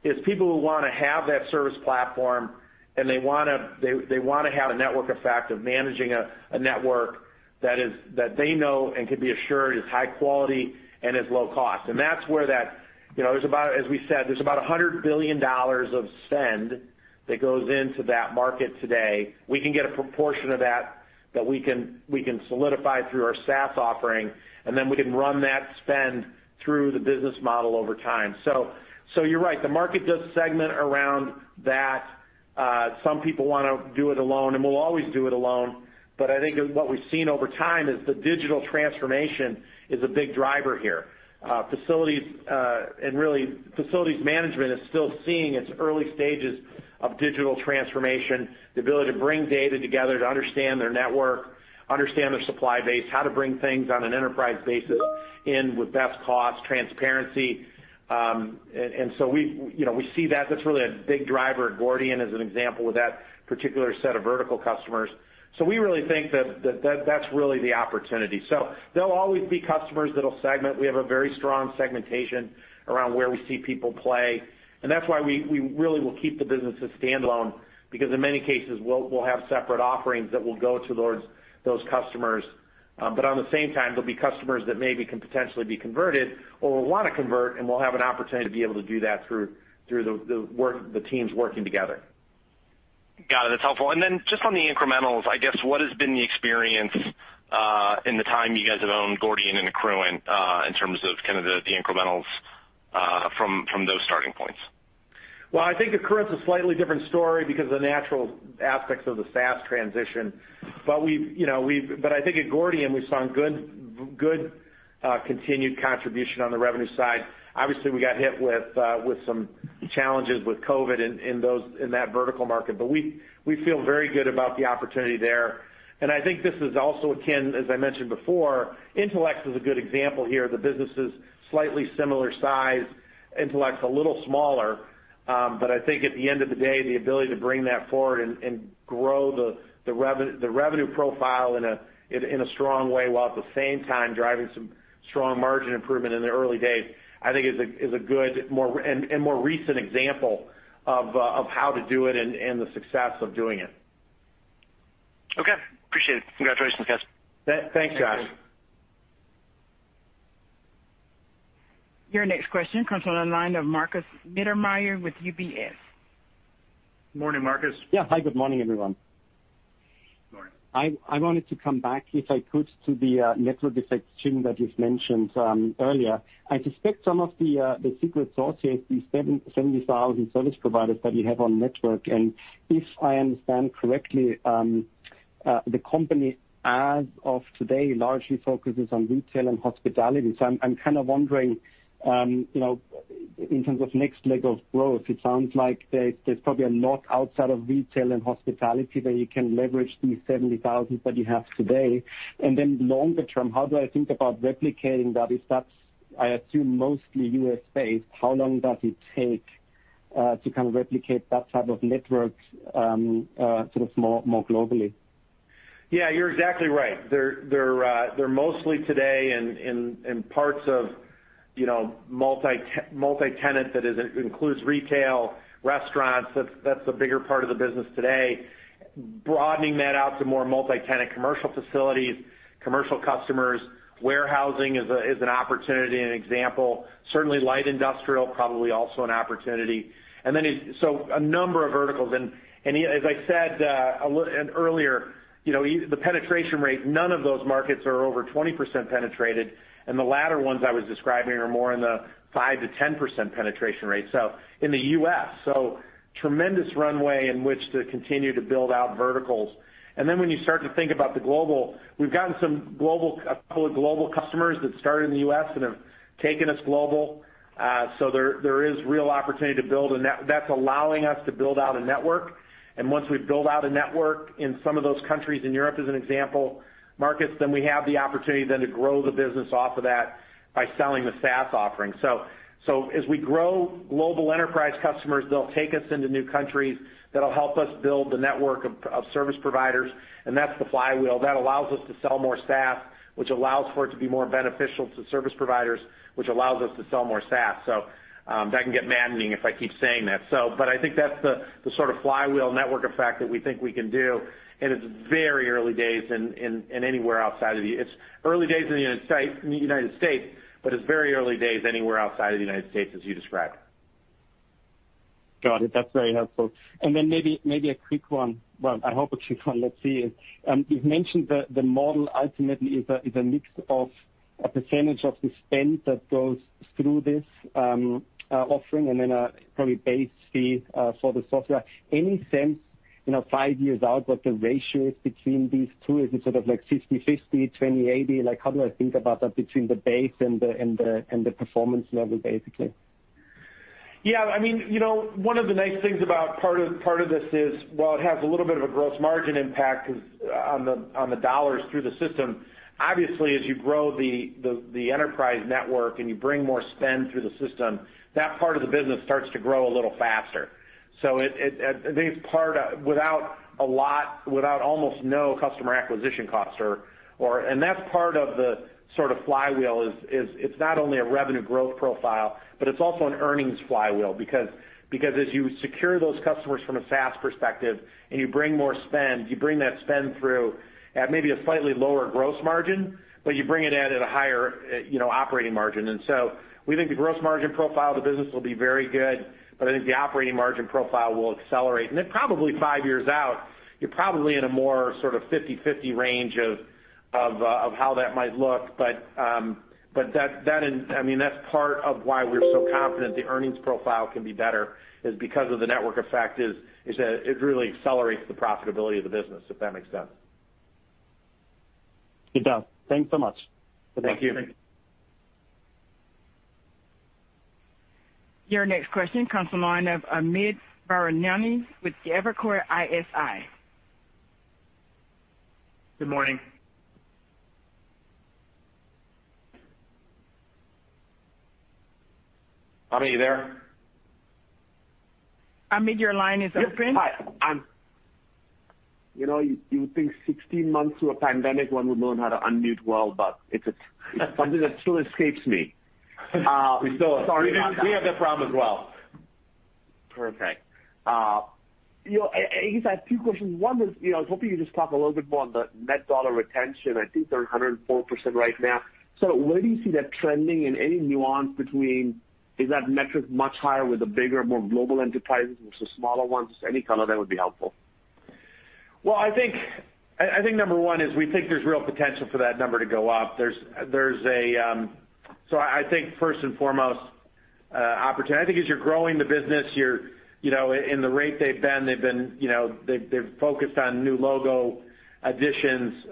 is people who want to have that service platform, and they want to have a network effect of managing a network that they know and can be assured is high quality and is low cost. And that's where that, as we said, there's about $100 billion of spend that goes into that market today. We can get a proportion of that that we can solidify through our SaaS offering, and then we can run that spend through the business model over time. So you're right. The market does segment around that. Some people want to do it alone, and we'll always do it alone. But I think what we've seen over time is the digital transformation is a big driver here. And really, facilities management is still seeing its early stages of digital transformation, the ability to bring data together to understand their network, understand their supply base, how to bring things on an enterprise basis in with best cost, transparency. And so we see that. That's really a big driver. Gordian is an example with that particular set of vertical customers. So we really think that that's really the opportunity. So there'll always be customers that'll segment. We have a very strong segmentation around where we see people play. And that's why we really will keep the businesses standalone because, in many cases, we'll have separate offerings that will go towards those customers. But at the same time, there'll be customers that maybe can potentially be converted or will want to convert, and we'll have an opportunity to be able to do that through the teams working together.
Got it. That's helpful. And then just on the incrementals, I guess, what has been the experience in the time you guys have owned Gordian and Accruent in terms of kind of the incrementals from those starting points?
I think Accruent's a slightly different story because of the natural aspects of the SaaS transition. But I think at Gordian, we've seen good continued contribution on the revenue side. Obviously, we got hit with some challenges with COVID in that vertical market. But we feel very good about the opportunity there. And I think this is also akin, as I mentioned before, Intelex is a good example here. The business is slightly similar size. Intelex a little smaller. But I think at the end of the day, the ability to bring that forward and grow the revenue profile in a strong way while at the same time driving some strong margin improvement in the early days, I think is a good and more recent example of how to do it and the success of doing it.
Okay. Appreciate it. Congratulations, guys.
Thanks, Josh.
Your next question comes from the line of Markus Mittermaier with UBS.
Good morning, Marcus.
Yeah. Hi, good morning, everyone.
Good morning.
I wanted to come back, if I could, to the network effects chain that you've mentioned earlier. I suspect some of the secret sauce here is the 70,000 service providers that you have on network. And if I understand correctly, the company as of today largely focuses on retail and hospitality. So I'm kind of wondering, in terms of next leg of growth, it sounds like there's probably a lot outside of retail and hospitality that you can leverage these 70,000 that you have today. And then longer term, how do I think about replicating that? If that's, I assume, mostly U.S.-based, how long does it take to kind of replicate that type of network sort of more globally?
Yeah. You're exactly right. They're mostly today in parts of multi-tenant that includes retail, restaurants. That's the bigger part of the business today. Broadening that out to more multi-tenant commercial facilities, commercial customers, warehousing is an opportunity, an example. Certainly, light industrial, probably also an opportunity. And then so a number of verticals. And as I said earlier, the penetration rate, none of those markets are over 20% penetrated. And the latter ones I was describing are more in the 5%-10% penetration rate. So in the U.S., so tremendous runway in which to continue to build out verticals. And then when you start to think about the global, we've gotten a couple of global customers that started in the U.S. and have taken us global. So there is real opportunity to build. And that's allowing us to build out a network. Once we build out a network in some of those countries in Europe as an example markets, then we have the opportunity then to grow the business off of that by selling the SaaS offering. So as we grow global enterprise customers, they'll take us into new countries that'll help us build the network of service providers. And that's the flywheel. That allows us to sell more SaaS, which allows for it to be more beneficial to service providers, which allows us to sell more SaaS. So that can get maddening if I keep saying that. But I think that's the sort of flywheel network effect that we think we can do. And it's very early days in anywhere outside of the early days in the United States, but it's very early days anywhere outside of the United States, as you described.
Got it. That's very helpful. And then maybe a quick one, well, I hope a quick one. Let's see. You've mentioned the model ultimately is a mix of a percentage of the spend that goes through this offering and then a probably base fee for the software. Any sense, five years out, what the ratio is between these two? Is it sort of like 50/50, 20/80? How do I think about that between the base and the performance level, basically?
Yeah. I mean, one of the nice things about part of this is, while it has a little bit of a gross margin impact on the dollars through the system, obviously, as you grow the enterprise network and you bring more spend through the system, that part of the business starts to grow a little faster. So I think it's part without almost no customer acquisition costs. And that's part of the sort of flywheel is it's not only a revenue growth profile, but it's also an earnings flywheel because as you secure those customers from a SaaS perspective and you bring more spend, you bring that spend through at maybe a slightly lower gross margin, but you bring it in at a higher operating margin. And so we think the gross margin profile of the business will be very good. But I think the operating margin profile will accelerate. And then probably five years out, you're probably in a more sort of 50/50 range of how that might look. But I mean, that's part of why we're so confident the earnings profile can be better, because of the network effect as it really accelerates the profitability of the business, if that makes sense.
It does. Thanks so much.
Thank you.
Your next question comes from the line of Amit Daryanani with Evercore ISI.
Good morning. Amit, are you there?
Amit, your line is open.
You know, you would think 16 months to a pandemic when we learn how to unmute well, but it's something that still escapes me. So sorry about that.
We have that problem as well.
Perfect. I guess I have two questions. One is hoping you just talk a little bit more on the net dollar retention. I think they're 104% right now. So where do you see that trending and any nuance between is that metric much higher with the bigger, more global enterprises versus smaller ones? Just any color there would be helpful.
Well, I think number one is we think there's real potential for that number to go up. So I think first and foremost, opportunity. I think as you're growing the business, in the rate they've been, they've focused on new logo additions.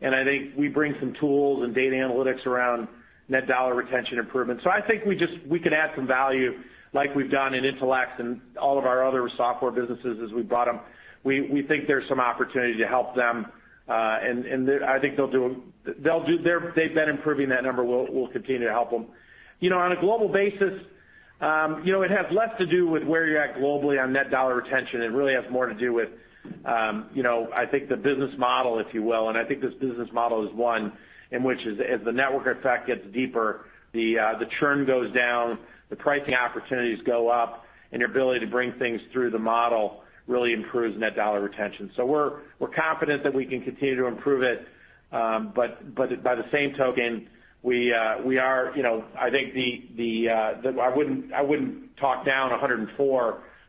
And I think we bring some tools and data analytics around net dollar retention improvement. So I think we can add some value like we've done in Intelex and all of our other software businesses as we bought them. We think there's some opportunity to help them. And I think they'll do. They've been improving that number. We'll continue to help them. On a global basis, it has less to do with where you're at globally on net dollar retention. It really has more to do with, I think, the business model, if you will. And I think this business model is one in which, as the network effect gets deeper, the churn goes down, the pricing opportunities go up, and your ability to bring things through the model really improves net dollar retention. So we're confident that we can continue to improve it. But by the same token, we are, I think, I wouldn't talk down 104.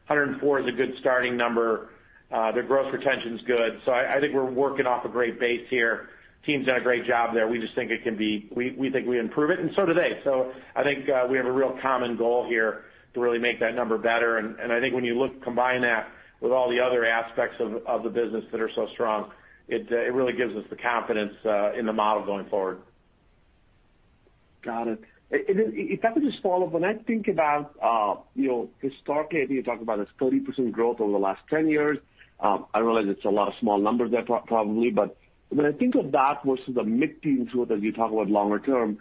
104 is a good starting number. The gross retention is good. So I think we're working off a great base here. The team's done a great job there. We just think it can be we think we improve it, and so do they. So I think we have a real common goal here to really make that number better. And I think when you combine that with all the other aspects of the business that are so strong, it really gives us the confidence in the model going forward.
Got it. If I could just follow up, when I think about historically, I think you talked about this 30% growth over the last 10 years. I realize it's a lot of small numbers there, probably. But when I think of that versus the mid-teens growth as you talk about longer term,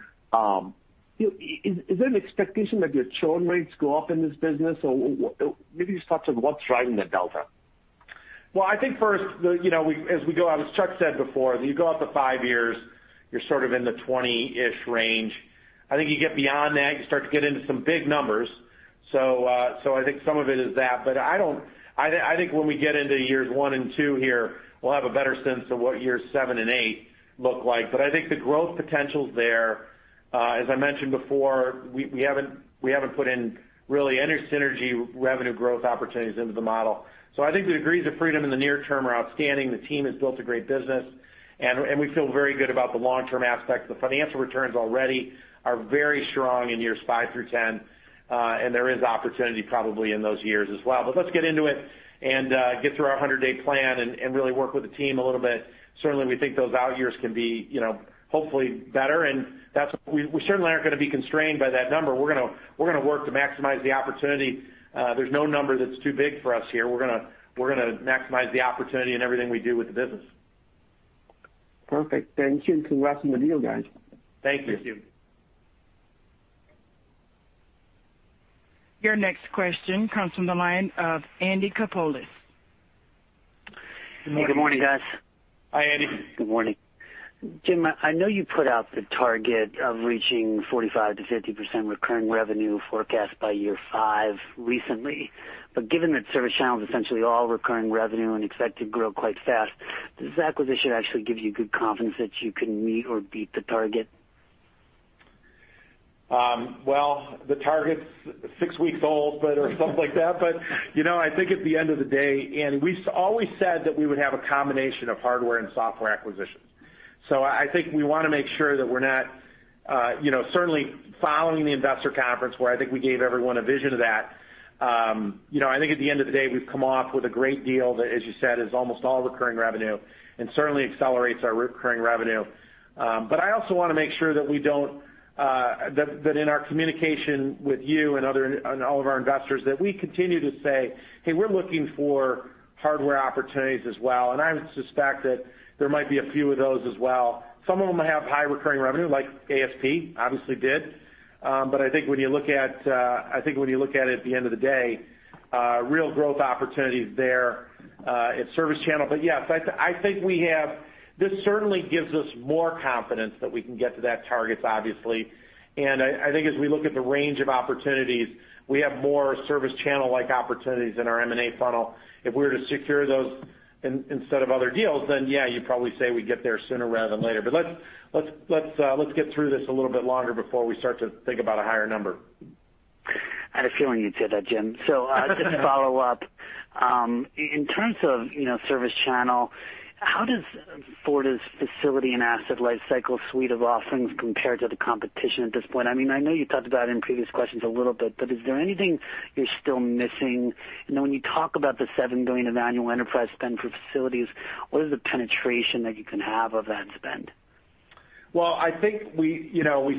is there an expectation that your churn rates go up in this business? So maybe just talk to what's driving that delta.
I think first, as we go out, as Chuck said before, as you go out the five years, you're sort of in the 20-ish range. I think you get beyond that, you start to get into some big numbers. I think some of it is that. I think when we get into years one and two here, we'll have a better sense of what years seven and eight look like. I think the growth potentials there, as I mentioned before, we haven't put in really any synergy revenue growth opportunities into the model. I think the degrees of freedom in the near term are outstanding. The team has built a great business. We feel very good about the long-term aspect. The financial returns already are very strong in years five through ten. There is opportunity probably in those years as well. But let's get into it and get through our 100-day plan and really work with the team a little bit. Certainly, we think those out years can be hopefully better. And we certainly aren't going to be constrained by that number. We're going to work to maximize the opportunity. There's no number that's too big for us here. We're going to maximize the opportunity in everything we do with the business.
Perfect. Thank you. Congrats on the deal, guys.
Thank you.
Thank you. Your next question comes from the line of Andy Kaplowitz.
Good morning, guys.
Hi, Andy.
Good morning. Jim, I know you put out the target of reaching 45%-50% recurring revenue forecast by year five recently, but given that ServiceChannel's essentially all recurring revenue and expected to grow quite fast, does this acquisition actually give you good confidence that you can meet or beat the target?
The target's six weeks old or something like that. But I think at the end of the day, and we always said that we would have a combination of hardware and software acquisitions. So I think we want to make sure that we're not certainly following the investor conference where I think we gave everyone a vision of that. I think at the end of the day, we've come off with a great deal that, as you said, is almost all recurring revenue and certainly accelerates our recurring revenue. But I also want to make sure that we don't forget that in our communication with you and all of our investors, that we continue to say, "Hey, we're looking for hardware opportunities as well." And I suspect that there might be a few of those as well. Some of them have high recurring revenue, like ASP, obviously did. But I think when you look at it at the end of the day, real growth opportunities there at ServiceChannel. But yes, I think this certainly gives us more confidence that we can get to that target, obviously. And I think as we look at the range of opportunities, we have more ServiceChannel-like opportunities in our M&A funnel. If we were to secure those instead of other deals, then yeah, you'd probably say we'd get there sooner rather than later. But let's get through this a little bit longer before we start to think about a higher number.
I had a feeling you'd say that, Jim. So just to follow up, in terms of ServiceChannel, how does Fortive's Facility and Asset Lifecycle suite of offerings compare to the competition at this point? I mean, I know you talked about it in previous questions a little bit, but is there anything you're still missing? And then when you talk about the $7 billion of annual enterprise spend for facilities, what is the penetration that you can have of that spend?
I think we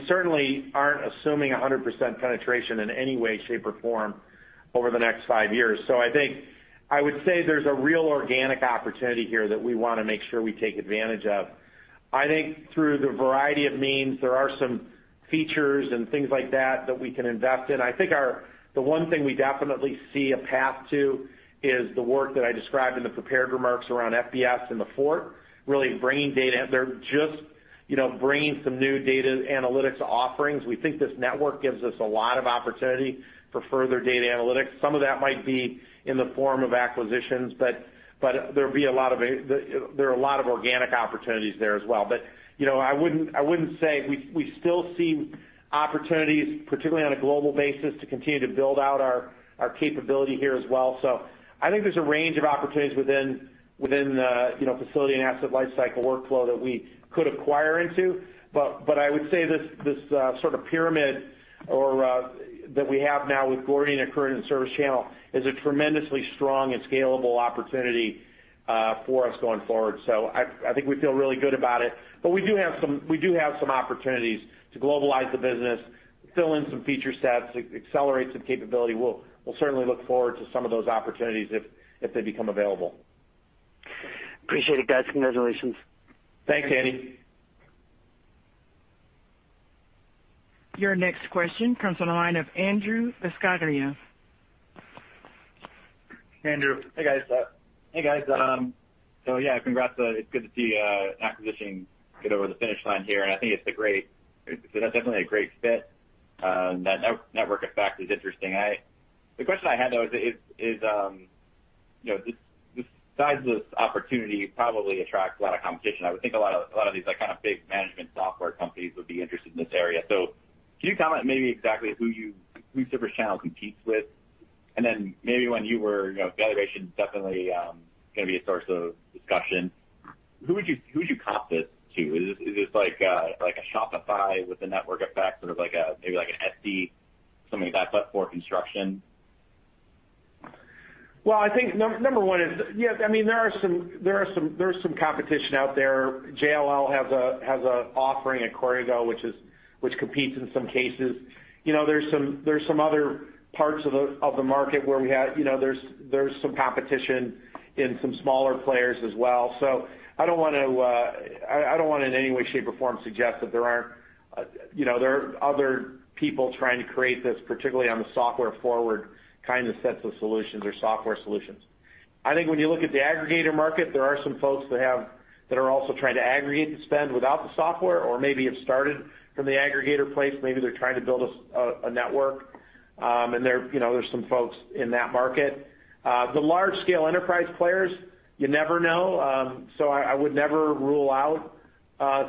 certainly aren't assuming 100% penetration in any way, shape, or form over the next five years. I think I would say there's a real organic opportunity here that we want to make sure we take advantage of. I think through the variety of means, there are some features and things like that that we can invest in. I think the one thing we definitely see a path to is the work that I described in the prepared remarks around FBS and The Fort, really bringing data. They're just bringing some new data analytics offerings. We think this network gives us a lot of opportunity for further data analytics. Some of that might be in the form of acquisitions, but there'll be a lot of organic opportunities there as well. But I wouldn't say we still see opportunities, particularly on a global basis, to continue to build out our capability here as well. So I think there's a range of opportunities within the Facility and Asset Lifecycle workflow that we could acquire into. But I would say this sort of pyramid that we have now with Gordian and Accruent and ServiceChannel is a tremendously strong and scalable opportunity for us going forward. So I think we feel really good about it. But we do have some opportunities to globalize the business, fill in some feature sets, accelerate some capability. We'll certainly look forward to some of those opportunities if they become available.
Appreciate it, guys. Congratulations.
Thanks, Andy.
Your next question comes from the line of Andrew Buscaglia.
Hey, guys. So yeah, congrats. It's good to see acquisition get over the finish line here. And I think it's a great it's definitely a great fit. That network effect is interesting. The question I had, though, is besides this opportunity, it probably attracts a lot of competition. I would think a lot of these kind of big management software companies would be interested in this area. So can you comment maybe exactly who ServiceChannel competes with? And then maybe when you were valuation, definitely going to be a source of discussion. Who would you comp this to? Is this like a Shopify with a network effect, sort of like maybe like an Etsy, something like that, but for construction?
I think number one is, yeah, I mean, there are some competition out there. JLL has an offering at Corrigo, which competes in some cases. There's some other parts of the market where there is some competition in some smaller players as well. So I don't want to in any way, shape, or form suggest that there are other people trying to create this, particularly on the software-forward kind of sets of solutions or software solutions. I think when you look at the aggregator market, there are some folks that are also trying to aggregate the spend without the software or maybe have started from the aggregator place. Maybe they're trying to build a network. And there's some folks in that market. The large-scale enterprise players, you never know. So I would never rule out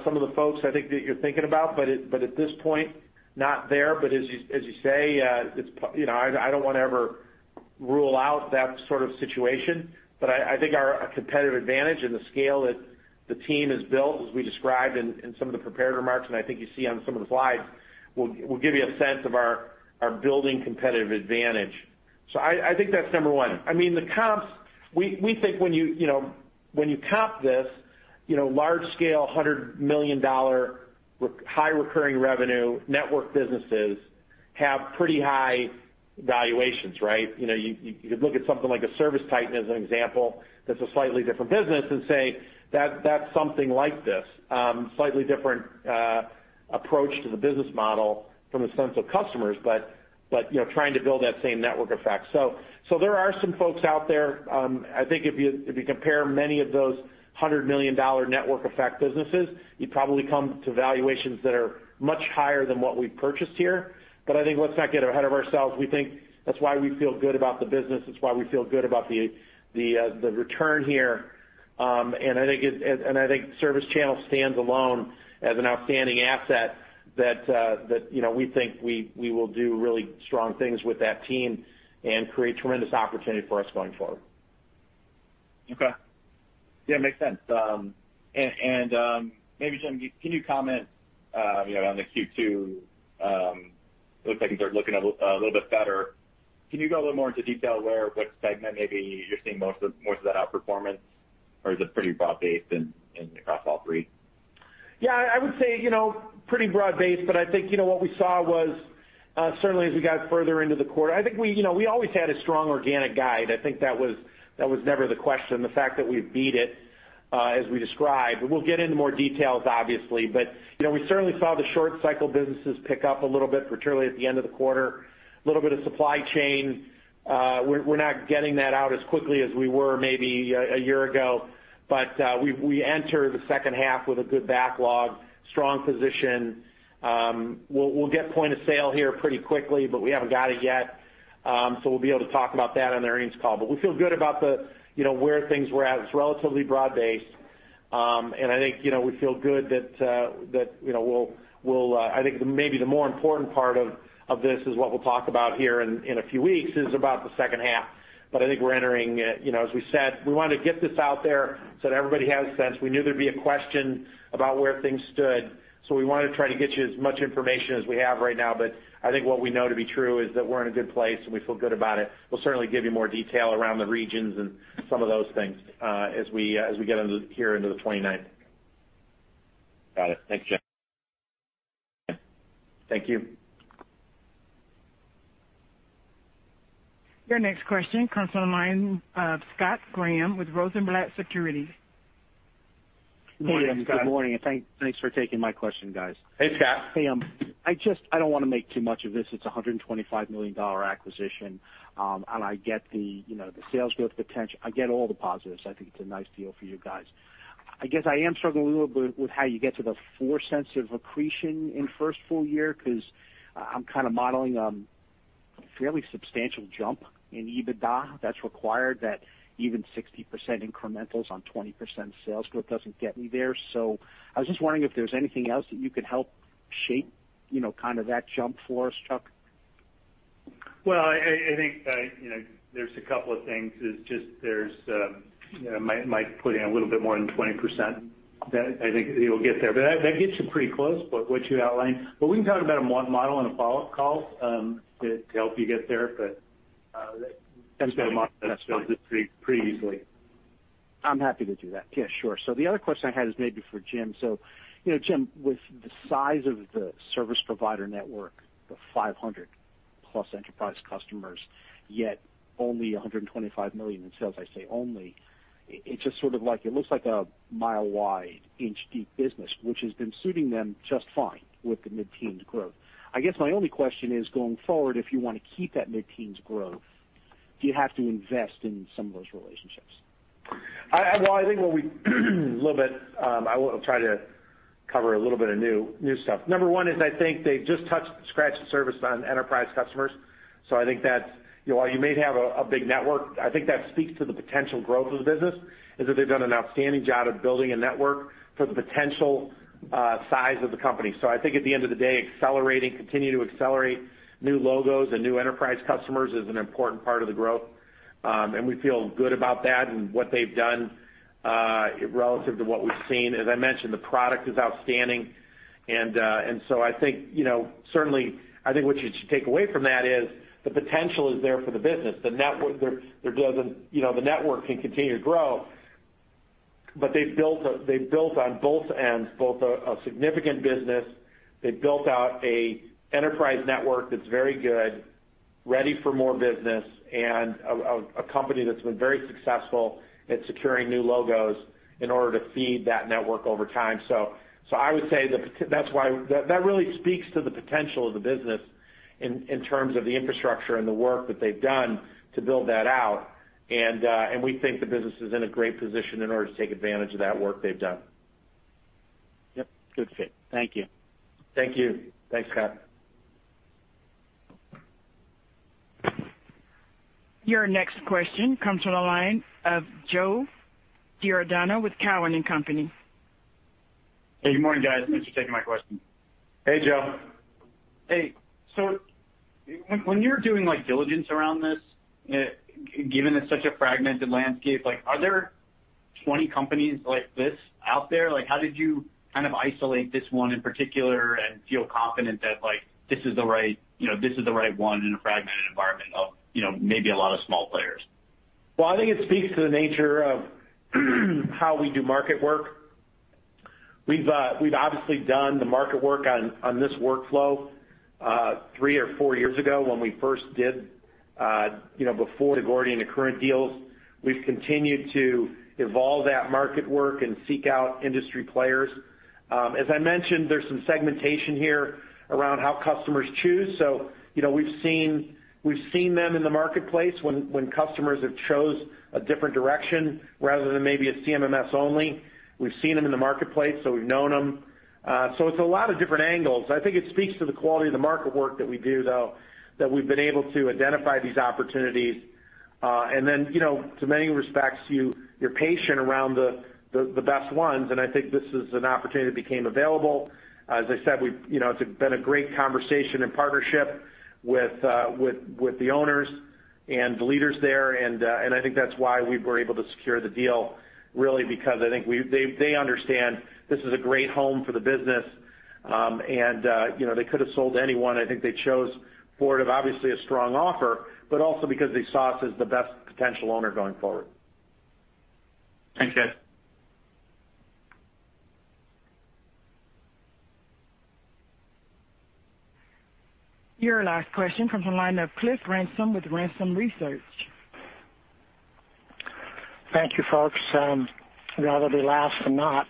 some of the folks I think that you're thinking about. But at this point, not there. But as you say, I don't want to ever rule out that sort of situation. But I think our competitive advantage and the scale that the team has built, as we described in some of the prepared remarks, and I think you see on some of the slides, will give you a sense of our building competitive advantage. So I think that's number one. I mean, the comps, we think when you comp this, large-scale, $100 million high recurring revenue network businesses have pretty high valuations, right? You could look at something like a ServiceTitan as an example that's a slightly different business and say, "That's something like this," slightly different approach to the business model from the sense of customers, but trying to build that same network effect. So there are some folks out there. I think if you compare many of those $100 million network effect businesses, you'd probably come to valuations that are much higher than what we've purchased here. But I think let's not get ahead of ourselves. We think that's why we feel good about the business. It's why we feel good about the return here. And I think ServiceChannel stands alone as an outstanding asset that we think we will do really strong things with that team and create tremendous opportunity for us going forward.
Okay. Yeah, makes sense, and maybe, Jim, can you comment on the Q2? It looks like things are looking a little bit better. Can you go a little more into detail where what segment maybe you're seeing most of that outperformance, or is it pretty broad-based across all three?
Yeah, I would say pretty broad-based. But I think what we saw was certainly as we got further into the quarter, I think we always had a strong organic guide. I think that was never the question, the fact that we've beat it, as we described. We'll get into more details, obviously. But we certainly saw the short-cycle businesses pick up a little bit, particularly at the end of the quarter, a little bit of supply chain. We're not getting that out as quickly as we were maybe a year ago. But we enter the second half with a good backlog, strong position. We'll get point of sale here pretty quickly, but we haven't got it yet. So we'll be able to talk about that on the earnings call. But we feel good about where things were at. It's relatively broad-based. And I think we feel good that we'll, I think, maybe the more important part of this is what we'll talk about here in a few weeks is about the second half. But I think we're entering, as we said, we wanted to get this out there so that everybody has a sense. We knew there'd be a question about where things stood. So we wanted to try to get you as much information as we have right now. But I think what we know to be true is that we're in a good place and we feel good about it. We'll certainly give you more detail around the regions and some of those things as we get here into the 29th.
Got it. Thanks, Jim.
Thank you.
Your next question comes from the line of Scott Graham with Rosenblatt Securities.
Good morning, Scott.
Good morning. Thanks for taking my question, guys.
Hey, Scott.
Hey, I don't want to make too much of this. It's a $125 million acquisition, and I get the sales growth potential. I get all the positives. I think it's a nice deal for you guys. I guess I am struggling a little bit with how you get to the $0.04 of accretion in first full year because I'm kind of modeling a fairly substantial jump in EBITDA that's required, that even 60% incremental on 20% sales growth doesn't get me there. So I was just wondering if there's anything else that you could help shape kind of that jump for us, Chuck?
I think there's a couple of things. It's just there's Mike putting a little bit more than 20%. I think he'll get there. That gets you pretty close to what you outlined. We can talk about a model in a follow-up call to help you get there. That's going to model that sales growth pretty easily.
I'm happy to do that. Yeah, sure. So the other question I had is maybe for Jim. So Jim, with the size of the service provider network, the 500-plus enterprise customers, yet only $125 million in sales, I say only, it's just sort of like it looks like a mile-wide, inch-deep business, which has been suiting them just fine with the mid-teens growth. I guess my only question is, going forward, if you want to keep that mid-teens growth, do you have to invest in some of those relationships?
I think a little bit I will try to cover a little bit of new stuff. Number one is I think they've just touched the surface on enterprise customers. I think that while you may have a big network, I think that speaks to the potential growth of the business, in that they've done an outstanding job at building a network for the potential size of the company. I think at the end of the day, accelerating, continue to accelerate new logos and new enterprise customers is an important part of the growth. We feel good about that and what they've done relative to what we've seen. As I mentioned, the product is outstanding. I think certainly what you should take away from that is the potential is there for the business. The network can continue to grow. But they've built on both ends, both a significant business. They've built out an enterprise network that's very good, ready for more business, and a company that's been very successful at securing new logos in order to feed that network over time. So I would say that's why that really speaks to the potential of the business in terms of the infrastructure and the work that they've done to build that out. And we think the business is in a great position in order to take advantage of that work they've done.
Yep. Good fit. Thank you.
Thank you. Thanks, Scott.
Your next question comes from the line of Joe Giordano with Cowen and Company.
Hey, good morning, guys. Thanks for taking my question.
Hey, Joe.
Hey. So when you're doing diligence around this, given it's such a fragmented landscape, are there 20 companies like this out there? How did you kind of isolate this one in particular and feel confident that this is the right this is the right one in a fragmented environment of maybe a lot of small players?
I think it speaks to the nature of how we do market work. We've obviously done the market work on this workflow three or four years ago when we first did the Corrigo and Accruent deals. We've continued to evolve that market work and seek out industry players. As I mentioned, there's some segmentation here around how customers choose. So we've seen them in the marketplace. When customers have chosen a different direction rather than maybe a CMMS only, we've seen them in the marketplace, so we've known them. So it's a lot of different angles. I think it speaks to the quality of the market work that we do, though, that we've been able to identify these opportunities. And then, in many respects, your patience around the best ones. And I think this is an opportunity that became available. As I said, it's been a great conversation and partnership with the owners and the leaders there. And I think that's why we were able to secure the deal, really, because I think they understand this is a great home for the business. And they could have sold to anyone. I think they chose Fortive, obviously a strong offer, but also because they saw us as the best potential owner going forward.
Thanks, guys.
Your last question comes from the line of Cliff Ransom with Ransom Research.
Thank you, folks. Better late than never.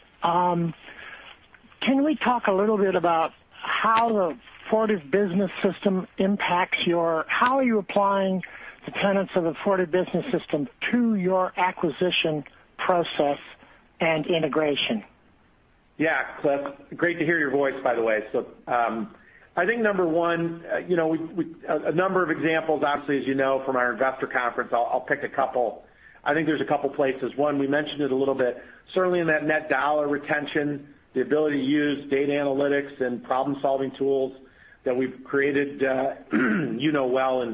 Can we talk a little bit about how the Fortive Business System impacts you? How are you applying the tenets of the Fortive Business System to your acquisition process and integration?
Yeah, Cliff, great to hear your voice, by the way. So I think number one, a number of examples, obviously, as you know, from our investor conference, I'll pick a couple. I think there's a couple of places. One, we mentioned it a little bit. Certainly in that Net Dollar Retention, the ability to use data analytics and problem-solving tools that we've created, you know well, in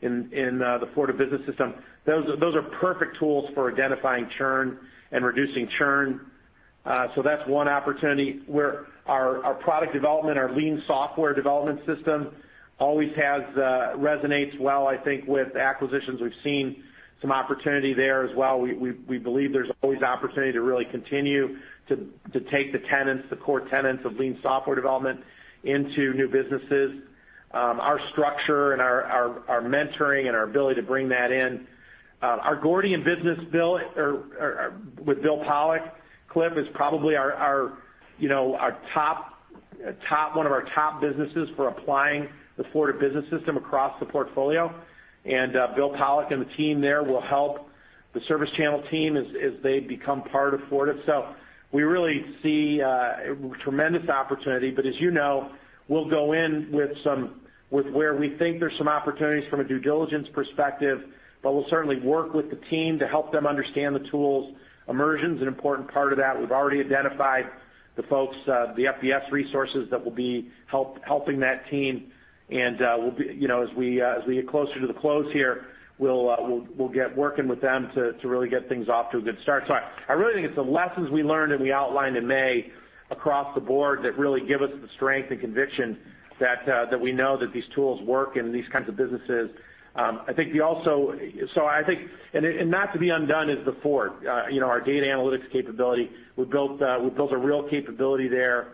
the Fortive Business System. Those are perfect tools for identifying churn and reducing churn. So that's one opportunity. Our product development, our Lean Software development system always resonates well, I think, with acquisitions. We've seen some opportunity there as well. We believe there's always opportunity to really continue to take the tenets, the core tenets of Lean Software development into new businesses. Our structure and our mentoring and our ability to bring that in. Our Gordian business will, with Bill Pollock, Cliff, is probably our top one of our top businesses for applying the Fortive Business System across the portfolio. Bill Pollock and the team there will help the ServiceChannel team as they become part of Fortive. We really see tremendous opportunity. As you know, we'll go in with where we think there's some opportunities from a due diligence perspective. We'll certainly work with the team to help them understand the tools. Immersion is an important part of that. We've already identified the folks, the FBS resources that will be helping that team. As we get closer to the close here, we'll get working with them to really get things off to a good start. So I really think it's the lessons we learned and we outlined in May across the board that really give us the strength and conviction that we know that these tools work in these kinds of businesses. I think we also, so I think, and not to be undone is the Fort, our data analytics capability. We built a real capability there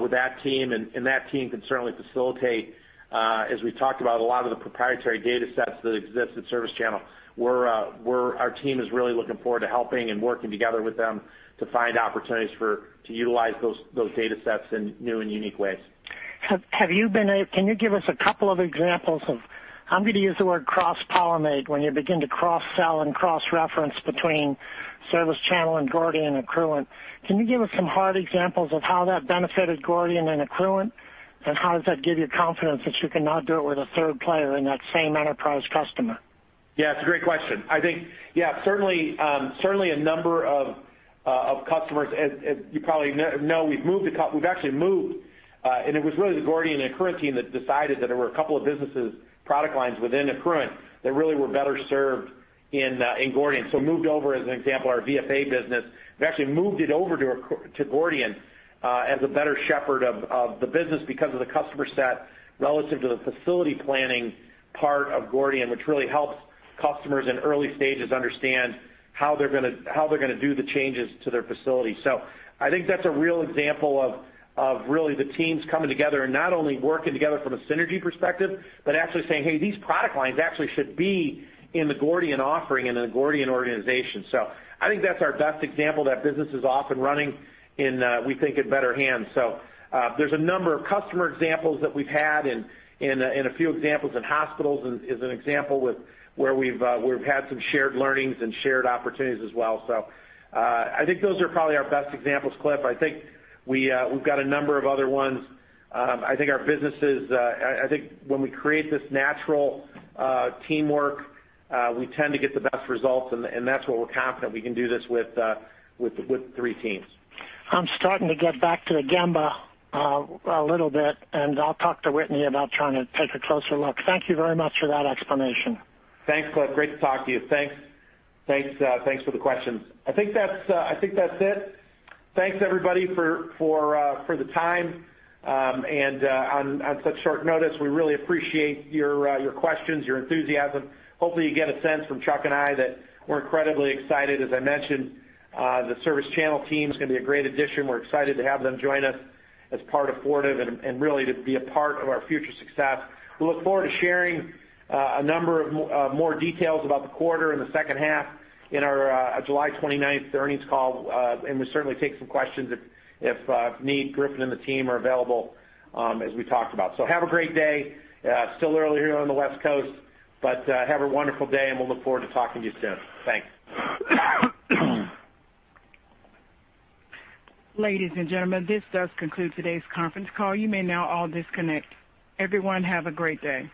with that team. And that team can certainly facilitate, as we talked about, a lot of the proprietary data sets that exist at ServiceChannel. Our team is really looking forward to helping and working together with them to find opportunities to utilize those data sets in new and unique ways.
Have you been able to? Can you give us a couple of examples of? I'm going to use the word cross-pollinate when you begin to cross-sell and cross-reference between ServiceChannel and Gordian and Accruent. Can you give us some hard examples of how that benefited Gordian and Accruent? How does that give you confidence that you can do it with a third player in that same enterprise customer?
Yeah, it's a great question. I think, yeah, certainly a number of customers you probably know, we've actually moved. And it was really the Gordian and Accruent team that decided that there were a couple of businesses, product lines within Accruent that really were better served in Gordian. So we moved over, as an example, our VFA business. We've actually moved it over to Gordian as a better shepherd of the business because of the customer set relative to the facility planning part of Gordian, which really helps customers in early stages understand how they're going to do the changes to their facility. So I think that's a real example of really the teams coming together and not only working together from a synergy perspective, but actually saying, "Hey, these product lines actually should be in the Gordian offering and in the Gordian organization." So I think that's our best example that business is off and running and we think in better hands. So there's a number of customer examples that we've had and a few examples in hospitals is an example where we've had some shared learnings and shared opportunities as well. So I think those are probably our best examples, Cliff. I think we've got a number of other ones. I think our businesses I think when we create this natural teamwork, we tend to get the best results. And that's what we're confident we can do this with three teams.
I'm starting to get back to the Gemba a little bit, and I'll talk to Whitney about trying to take a closer look. Thank you very much for that explanation.
Thanks, Cliff. Great to talk to you. Thanks. Thanks for the questions. I think that's it. Thanks, everybody, for the time, and on such short notice, we really appreciate your questions, your enthusiasm. Hopefully, you get a sense from Chuck and I that we're incredibly excited. As I mentioned, the ServiceChannel team is going to be a great addition. We're excited to have them join us as part of Fortive and really to be a part of our future success. We look forward to sharing a number of more details about the quarter and the second half in our July 29th earnings call, and we certainly take some questions if need. Griffin and the team are available as we talked about, so have a great day. Still early here on the West Coast, but have a wonderful day, and we'll look forward to talking to you soon. Thanks.
Ladies and gentlemen, this does conclude today's conference call. You may now all disconnect. Everyone, have a great day.